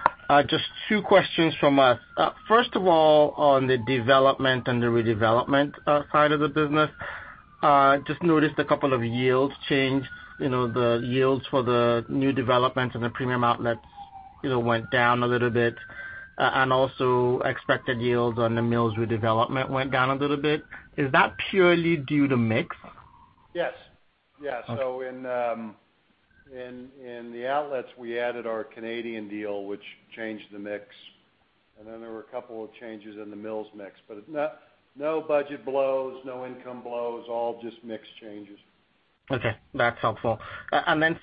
Just two questions from us. First of all, on the development and the redevelopment side of the business, just noticed a couple of yields change. The yields for the new developments and the Premium Outlets went down a little bit. Also expected yields on The Mills redevelopment went down a little bit. Is that purely due to mix? Yes. In the Outlets, we added our Canadian deal, which changed the mix, and then there were a couple of changes in The Mills mix, but no budget blows, no income blows, all just mix changes. Okay, that's helpful.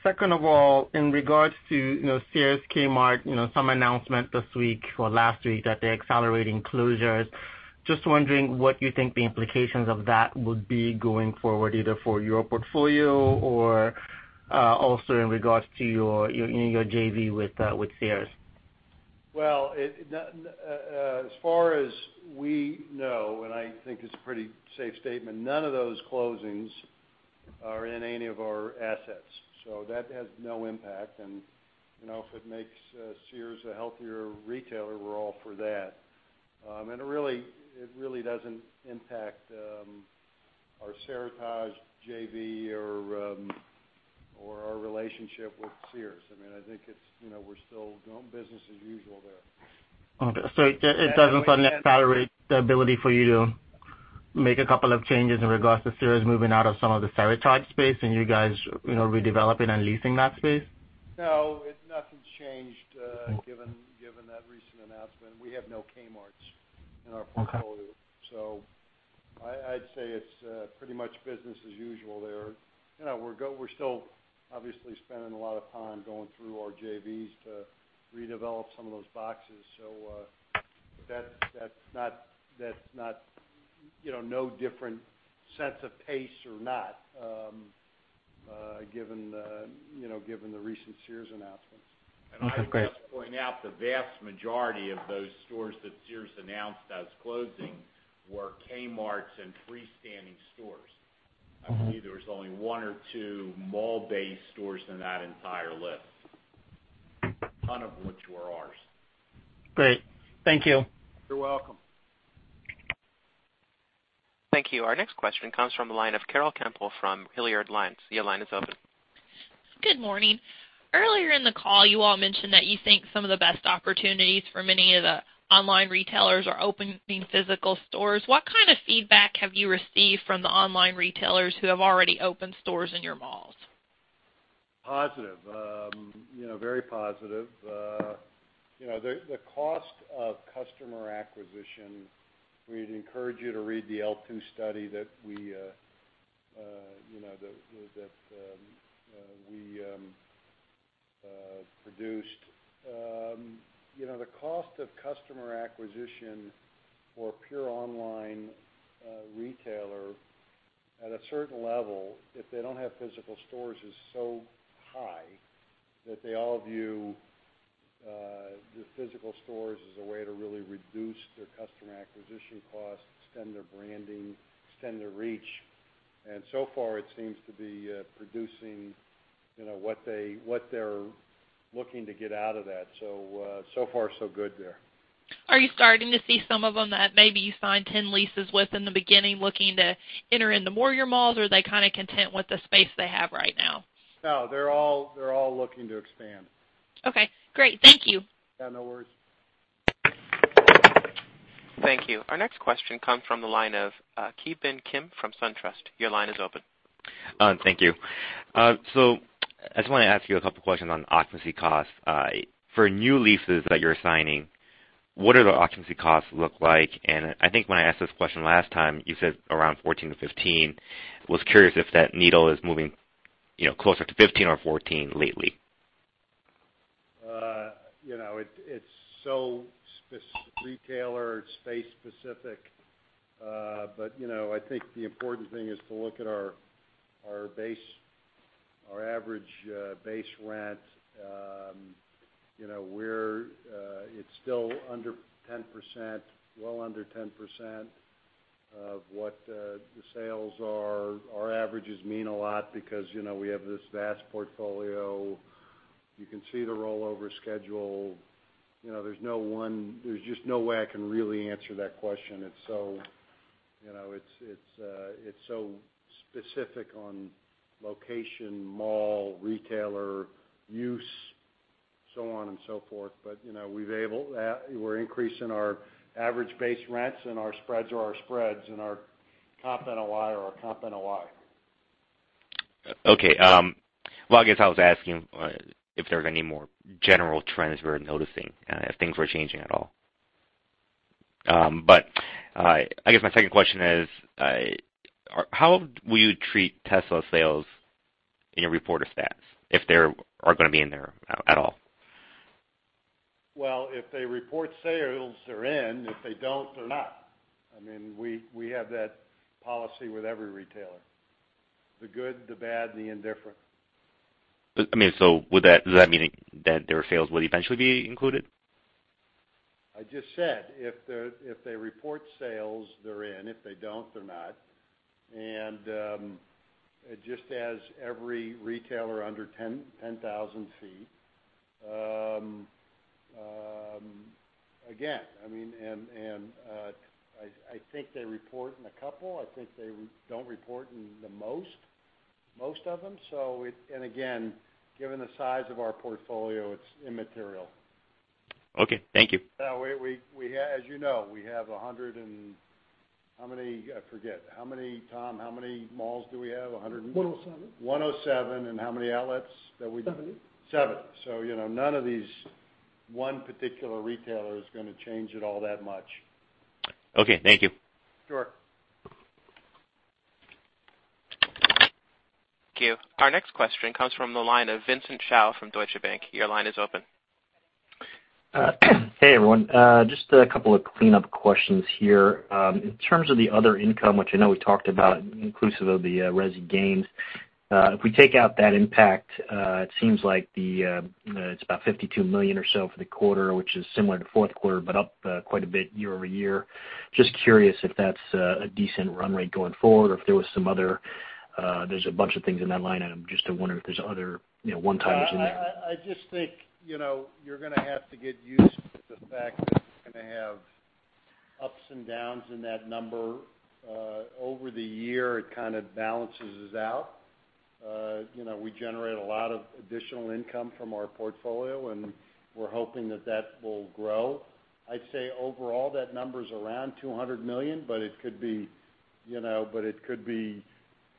Second of all, in regards to Sears Kmart, some announcement this week or last week that they're accelerating closures. Just wondering what you think the implications of that would be going forward, either for your portfolio or also in regards to your JV with Sears. As far as we know, and I think it's a pretty safe statement, none of those closings are in any of our assets. That has no impact. If it makes Sears a healthier retailer, we're all for that. It really doesn't impact our Seritage JV or our relationship with Sears. I think we're still doing business as usual there. Okay. It doesn't suddenly accelerate the ability for you to make a couple of changes in regards to Sears moving out of some of the Seritage space, and you guys redeveloping and leasing that space? No, nothing's changed given that recent announcement. We have no Kmarts in our portfolio. Okay. I'd say it's pretty much business as usual there. We're still obviously spending a lot of time going through our JVs to redevelop some of those boxes. That's no different sense of pace or not, given the recent Sears announcements. Okay, great. I'd also point out the vast majority of those stores that Sears announced as closing were Kmarts and freestanding stores. I believe there was only one or two mall-based stores in that entire list, none of which were ours. Great. Thank you. You're welcome. Thank you. Our next question comes from the line of Carol Kemple from Hilliard Lyons. Your line is open. Good morning. Earlier in the call, you all mentioned that you think some of the best opportunities for many of the online retailers are opening physical stores. What kind of feedback have you received from the online retailers who have already opened stores in your malls? Positive. Very positive. The cost of customer acquisition, we'd encourage you to read the L2 study that we produced. The cost of customer acquisition for a pure online retailer, at a certain level, if they don't have physical stores, is so high that they all view the physical stores as a way to really reduce their customer acquisition costs, extend their branding, extend their reach. So far, it seems to be producing what they're looking to get out of that. So far, so good there. Are you starting to see some of them that maybe you signed 10 leases with in the beginning looking to enter into more of your malls, or are they kind of content with the space they have right now? No, they're all looking to expand. Okay, great. Thank you. Yeah, no worries. Thank you. Our next question comes from the line of Ki Bin Kim from SunTrust. Your line is open. Thank you. I just want to ask you a couple questions on occupancy costs. For new leases that you're signing, what do the occupancy costs look like? I think when I asked this question last time, you said around 14%-15%. Was curious if that needle is moving closer to 15% or 14% lately. It's so retailer and space specific. I think the important thing is to look at our average base rent. It's still under 10%, well under 10% of what the sales are. Our averages mean a lot because we have this vast portfolio. You can see the rollover schedule. There's just no way I can really answer that question. It's so specific on location, mall, retailer, use, so on and so forth. We're increasing our average base rents, and our spreads are our spreads, and our comp NOI are our comp NOI. Okay. Well, I guess I was asking if there's any more general trends we're noticing, if things were changing at all. I guess my second question is, how will you treat Tesla sales in your reported stats, if they are going to be in there at all? Well, if they report sales, they're in. If they don't, they're not. We have that policy with every retailer. The good, the bad, and the indifferent. Does that mean that their sales would eventually be included? I just said, if they report sales, they're in. If they don't, they're not. Just as every retailer under 10,000 feet. Again, I think they report in a couple. I think they don't report in the most of them. Again, given the size of our portfolio, it's immaterial. Okay. Thank you. As you know, we have 100 and how many, I forget. Tom, how many malls do we have, 100 and- 107. 107. How many outlets that? Seven. Seven. None of these one particular retailer is going to change it all that much. Okay. Thank you. Sure. Thank you. Our next question comes from the line of Vincent Chao from Deutsche Bank. Your line is open. Hey, everyone. Just a couple of cleanup questions here. In terms of the other income, which I know we talked about inclusive of the resi gains. If we take out that impact, it seems like it's about $52 million or so for the quarter, which is similar to fourth quarter, but up quite a bit year-over-year. Just curious if that's a decent run rate going forward or if there's a bunch of things in that line item, just I wonder if there's other one-timers in there. I just think, you're going to have to get used to the fact that you're going to have ups and downs in that number. Over the year, it kind of balances out. We generate a lot of additional income from our portfolio, and we're hoping that that will grow. I'd say overall that number's around $200 million, but it could be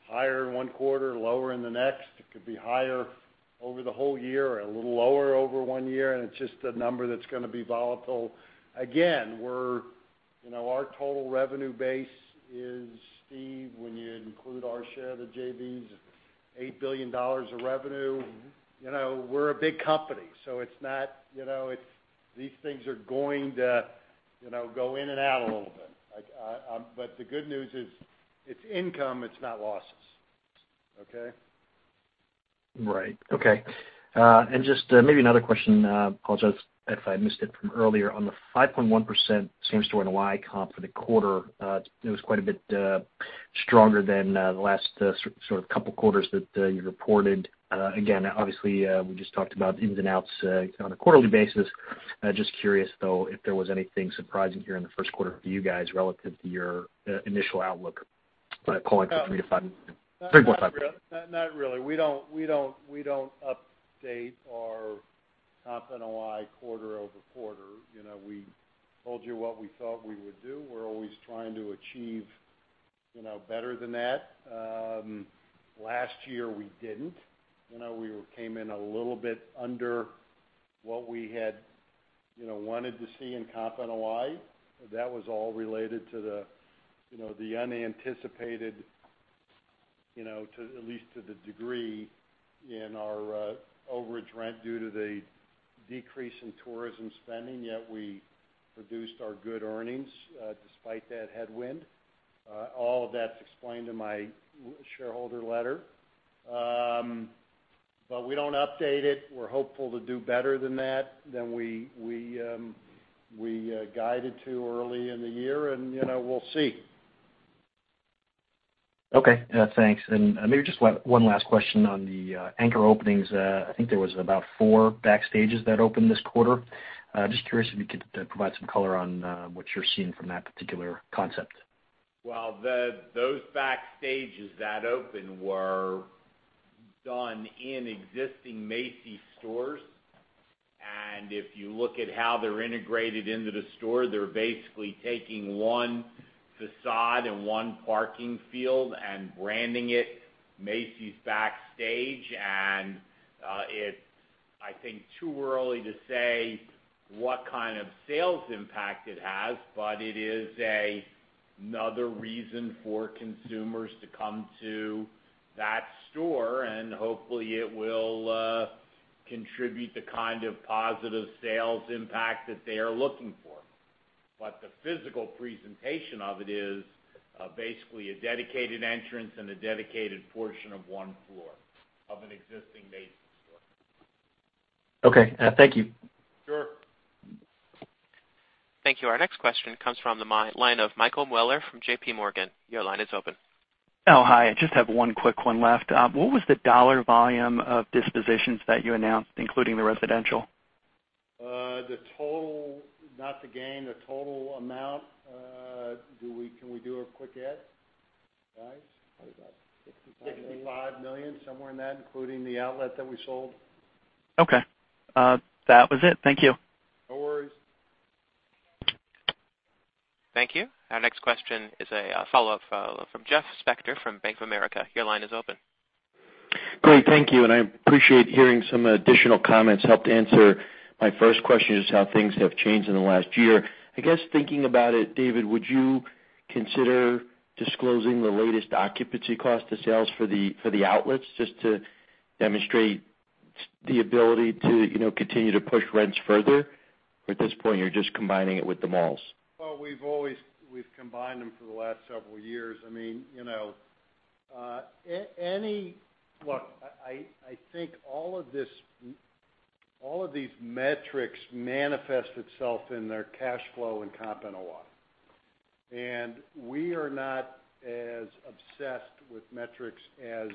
higher in one quarter, lower in the next. It could be higher over the whole year or a little lower over one year. It's just a number that's going to be volatile. Again, our total revenue base is, Steve, when you include our share of the JVs, $8 billion of revenue. We're a big company, these things are going to go in and out a little bit. The good news is it's income, it's not losses. Okay? Right. Okay. Just maybe another question, apologize if I missed it from earlier. On the 5.1% same store NOI comp for the quarter, it was quite a bit stronger than the last sort of couple quarters that you reported. Obviously, we just talked about ins and outs on a quarterly basis. Just curious, though, if there was anything surprising here in the first quarter for you guys relative to your initial outlook by calling for 3.5%. Not really. We don't update our comp NOI quarter-over-quarter. We told you what we thought we would do. We're always trying to achieve better than that. Last year, we didn't. We came in a little bit under what we had wanted to see in comp NOI. That was all related to the unanticipated, at least to the degree in our overage rent due to the decrease in tourism spending, yet we produced our good earnings despite that headwind. All of that's explained in my shareholder letter. We don't update it. We're hopeful to do better than we guided to early in the year, and we'll see. Okay. Thanks. Maybe just one last question on the anchor openings. I think there was about four Backstages that opened this quarter. Just curious if you could provide some color on what you're seeing from that particular concept. Well, those Backstages that opened were done in existing Macy's stores. If you look at how they're integrated into the store, they're basically taking one facade and one parking field and branding it Macy's Backstage. It's, I think, too early to say what kind of sales impact it has, but it is another reason for consumers to come to that store, and hopefully, it will contribute the kind of positive sales impact that they are looking for. The physical presentation of it is basically a dedicated entrance and a dedicated portion of one floor of an existing Macy's store. Okay. Thank you. Sure. Thank you. Our next question comes from the line of Michael Mueller from JPMorgan. Your line is open. Oh, hi. I just have one quick one left. What was the dollar volume of dispositions that you announced, including the residential? Not the gain, the total amount. Can we do a quick add, guys? Probably about $65 million. $65 million, somewhere in that, including the outlet that we sold. Okay. That was it. Thank you. No worries. Thank you. Our next question is a follow-up from Jeff Spector from Bank of America. Your line is open. Great. Thank you. I appreciate hearing some additional comments. Helped answer my first question, just how things have changed in the last year. I guess, thinking about it, David, would you consider disclosing the latest occupancy cost of sales for the outlets just to demonstrate the ability to continue to push rents further? Or at this point, you're just combining it with the malls? Well, we've combined them for the last several years. Look, I think all of these metrics manifest itself in their cash flow and comp NOI. We are not as obsessed with metrics as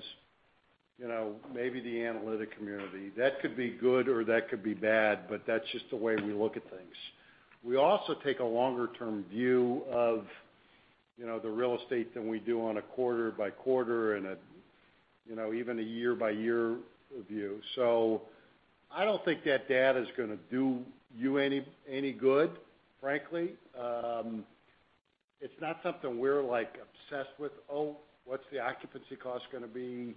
maybe the analytic community. That could be good or that could be bad, but that's just the way we look at things. We also take a longer-term view of the real estate than we do on a quarter-by-quarter and even a year-by-year view. I don't think that data is going to do you any good, frankly. It's not something we're obsessed with. "Oh, what's the occupancy cost going to be?"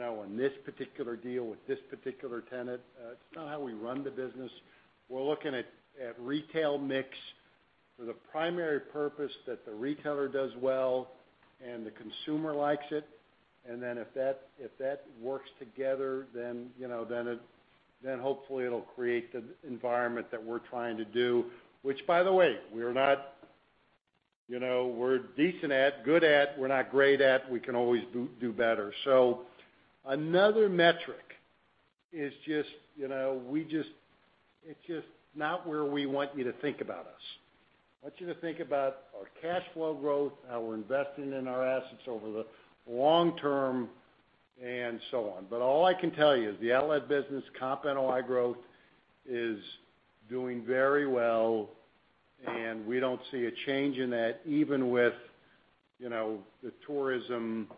on this particular deal with this particular tenant. It's not how we run the business. We're looking at retail mix for the primary purpose that the retailer does well and the consumer likes it. If that works together, then hopefully it'll create the environment that we're trying to do, which by the way, we're decent at, good at, we're not great at. We can always do better. Another metric, it's just not where we want you to think about us. I want you to think about our cash flow growth, how we're investing in our assets over the long term, and so on. All I can tell you is the outlet business comp NOI growth is doing very well, and we don't see a change in that, even with the tourism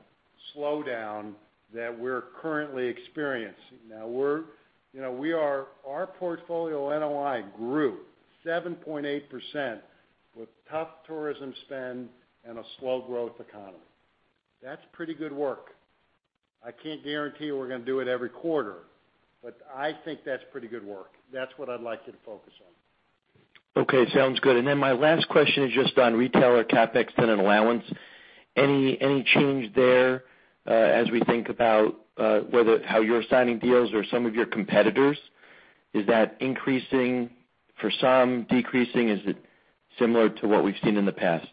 slowdown that we're currently experiencing. Now, our portfolio NOI grew 7.8% with tough tourism spend and a slow growth economy. That's pretty good work. I can't guarantee we're going to do it every quarter, but I think that's pretty good work. That's what I'd like you to focus on. Okay, sounds good. My last question is just on retailer CapEx tenant allowance. Any change there as we think about how you're signing deals or some of your competitors? Is that increasing for some, decreasing? Is it similar to what we've seen in the past?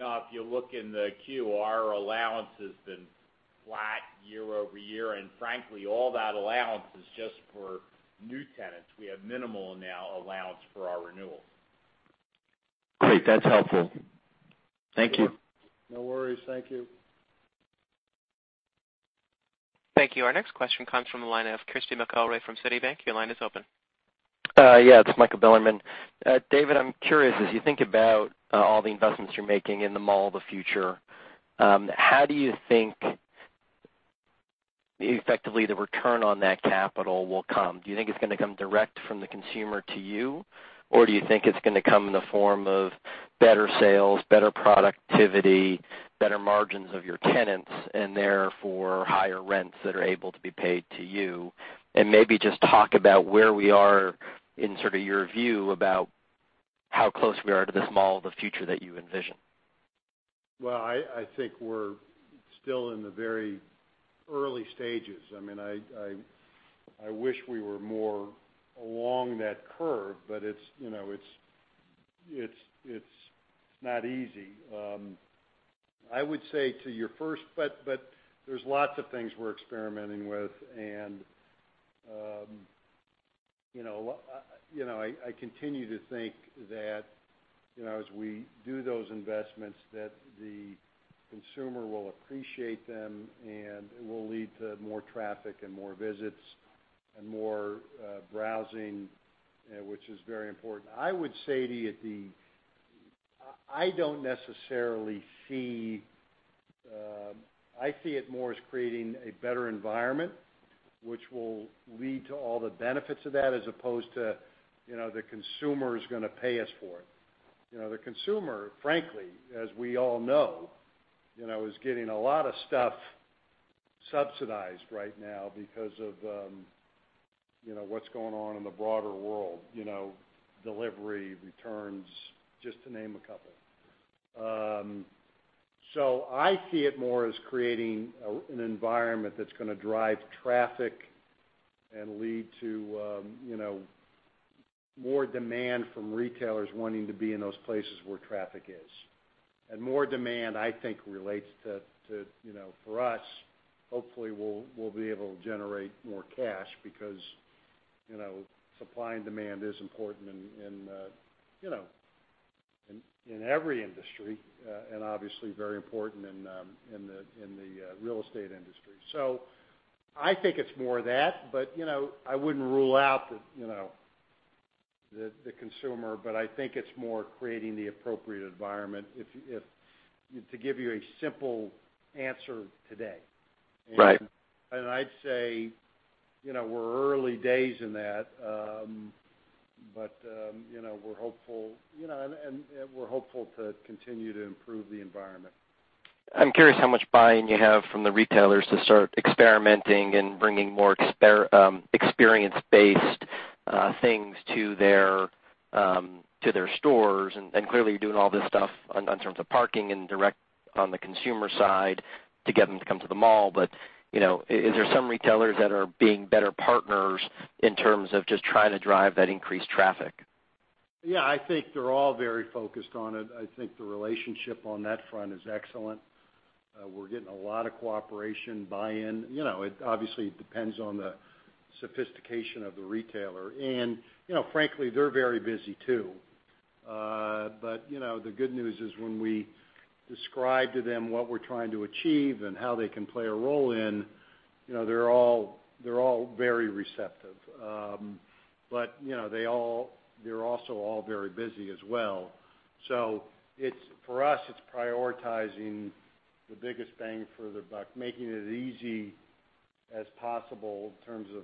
No, if you look in the Q, our allowance has been flat year-over-year, and frankly, all that allowance is just for new tenants. We have minimal now allowance for our renewals. Great. That's helpful. Thank you. No worries. Thank you. Thank you. Our next question comes from the line of Christy McElroy from Citi. Your line is open. Yeah, it's Michael Bilerman. David, I'm curious, as you think about all the investments you're making in the mall of the future, how do you think effectively the return on that capital will come? Do you think it's going to come direct from the consumer to you, or do you think it's going to come in the form of better sales, better productivity, better margins of your tenants, and therefore higher rents that are able to be paid to you? Maybe just talk about where we are in sort of your view about how close we are to this mall of the future that you envision. I think we're still in the very early stages. I wish we were more along that curve, but it's not easy. I would say to your first, there's lots of things we're experimenting with, and I continue to think that as we do those investments, that the consumer will appreciate them, and it will lead to more traffic and more visits and more browsing, which is very important. I would say to you, I see it more as creating a better environment, which will lead to all the benefits of that, as opposed to the consumer is going to pay us for it. The consumer, frankly, as we all know, is getting a lot of stuff subsidized right now because of what's going on in the broader world, delivery, returns, just to name a couple. I see it more as creating an environment that's going to drive traffic and lead to more demand from retailers wanting to be in those places where traffic is. More demand, I think, relates to, for us, hopefully we'll be able to generate more cash because supply and demand is important in every industry, and obviously very important in the real estate industry. I think it's more of that, but I wouldn't rule out the consumer, but I think it's more creating the appropriate environment to give you a simple answer today. Right. I'd say, we're early days in that. We're hopeful to continue to improve the environment. I'm curious how much buy-in you have from the retailers to start experimenting and bringing more experience-based things to their stores. Clearly, you're doing all this stuff in terms of parking and direct on the consumer side to get them to come to the mall. Is there some retailers that are being better partners in terms of just trying to drive that increased traffic? Yeah, I think they're all very focused on it. I think the relationship on that front is excellent. We're getting a lot of cooperation, buy-in. It obviously depends on the sophistication of the retailer. Frankly, they're very busy, too. The good news is when we describe to them what we're trying to achieve and how they can play a role in, they're all very receptive. They're also all very busy as well. For us, it's prioritizing the biggest bang for the buck, making it as easy as possible in terms of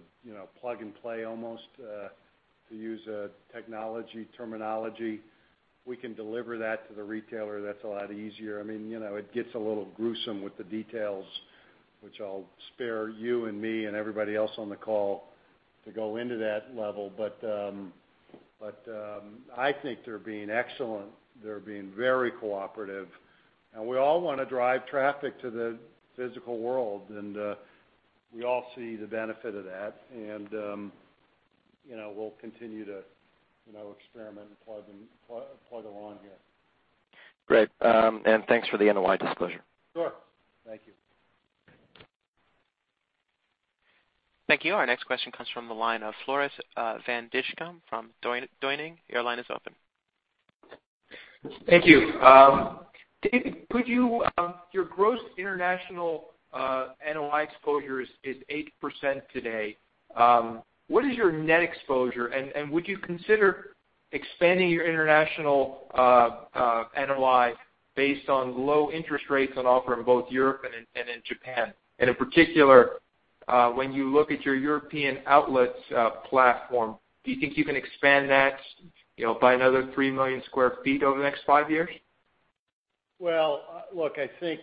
plug and play almost, to use a technology terminology. We can deliver that to the retailer. That's a lot easier. It gets a little gruesome with the details, which I'll spare you and me and everybody else on the call to go into that level. I think they're being excellent. They're being very cooperative. We all want to drive traffic to the physical world, and we all see the benefit of that. We'll continue to experiment and plug along here. Great. Thanks for the NOI disclosure. Sure. Thank you. Thank you. Our next question comes from the line of Floris van Dijkum from Boenning. Your line is open. Thank you. David, your gross international NOI exposure is 8% today. What is your net exposure, and would you consider expanding your international NOI based on low interest rates on offer in both Europe and in Japan? In particular, when you look at your European outlets platform, do you think you can expand that by another 3 million square feet over the next five years? Well, look, I think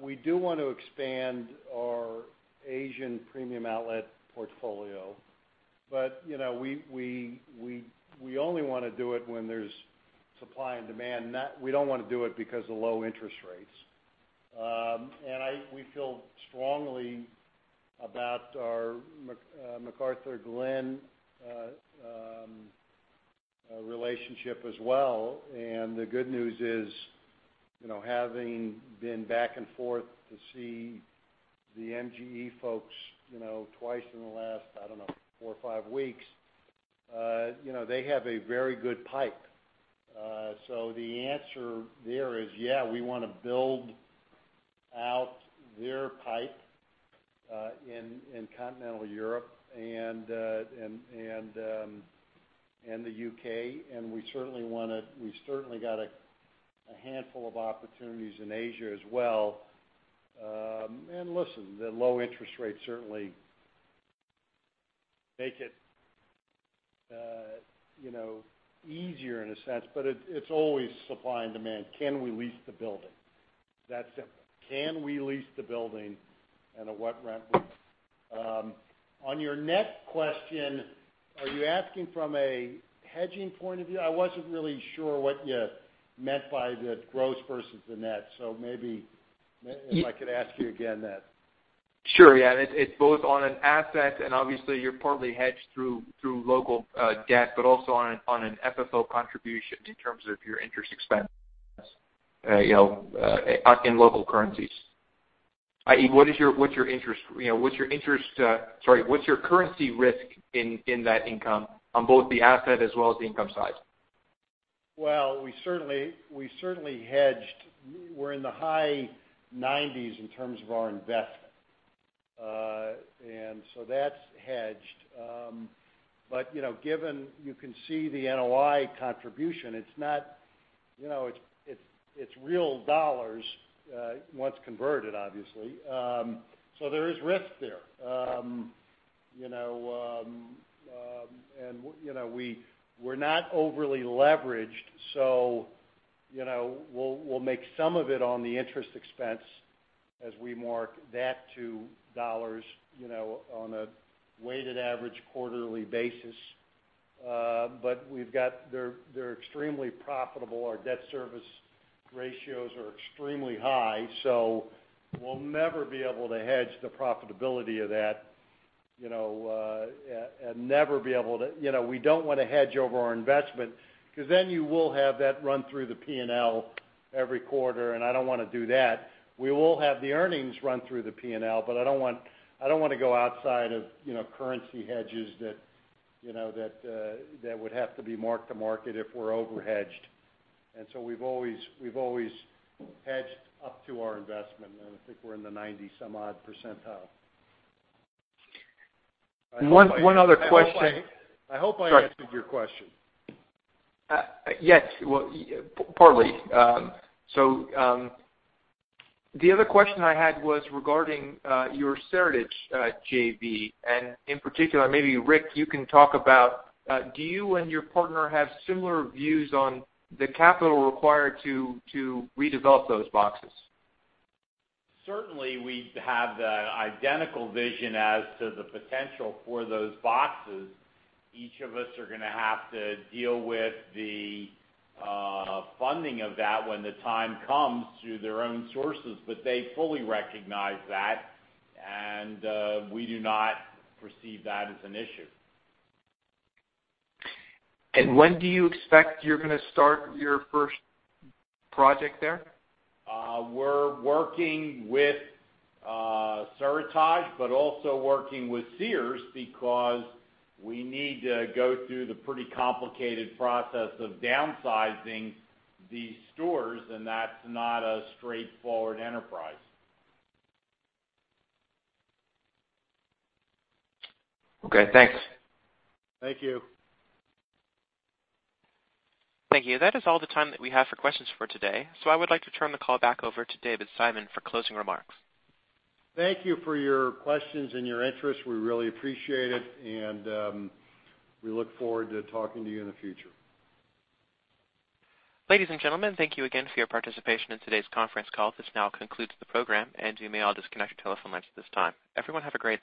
we do want to expand our Asian Premium Outlet portfolio. We only want to do it when there's supply and demand. We don't want to do it because of low interest rates. We feel strongly about our McArthurGlen relationship as well, and the good news is, having been back and forth to see the MGE folks twice in the last, I don't know, four or five weeks, they have a very good pipe. The answer there is, yes, we want to build out their pipe in continental Europe and the U.K., we certainly got a handful of opportunities in Asia as well. Listen, the low interest rates certainly make it easier in a sense, but it's always supply and demand. Can we lease the building? That simple. Can we lease the building, and at what rent rate? On your net question, are you asking from a hedging point of view? I wasn't really sure what you meant by the gross versus the net. Maybe if I could ask you again that. Sure. Yeah. It's both on an asset and obviously you're partly hedged through local debt, also on an FFO contribution in terms of your interest expense in local currencies, i.e., what's your currency risk in that income on both the asset as well as the income side? Well, we certainly hedged. We're in the high 90s in terms of our investment. That's hedged. Given you can see the NOI contribution, it's real dollars, once converted, obviously. There is risk there. We're not overly leveraged, we'll make some of it on the interest expense as we mark that to dollars on a weighted average quarterly basis. They're extremely profitable. Our debt service ratios are extremely high, we'll never be able to hedge the profitability of that. We don't want to hedge over our investment because then you will have that run through the P&L every quarter, I don't want to do that. We will have the earnings run through the P&L, I don't want to go outside of currency hedges that would have to be marked to market if we're over-hedged. We've always hedged up to our investment, and I think we're in the 90 some odd percentile. One other question. I hope I answered your question. Yes. Well, partly. The other question I had was regarding your Seritage JV, and in particular, maybe Rick, you can talk about, do you and your partner have similar views on the capital required to redevelop those boxes? Certainly, we have the identical vision as to the potential for those boxes. Each of us are going to have to deal with the funding of that when the time comes through their own sources, but they fully recognize that, and we do not perceive that as an issue. When do you expect you're going to start your first project there? We're working with Seritage but also working with Sears because we need to go through the pretty complicated process of downsizing these stores, and that's not a straightforward enterprise. Okay, thanks. Thank you. Thank you. That is all the time that we have for questions for today. I would like to turn the call back over to David Simon for closing remarks. Thank you for your questions and your interest. We really appreciate it, and we look forward to talking to you in the future. Ladies and gentlemen, thank you again for your participation in today's conference call. This now concludes the program, and you may all disconnect your telephone lines at this time. Everyone have a great day.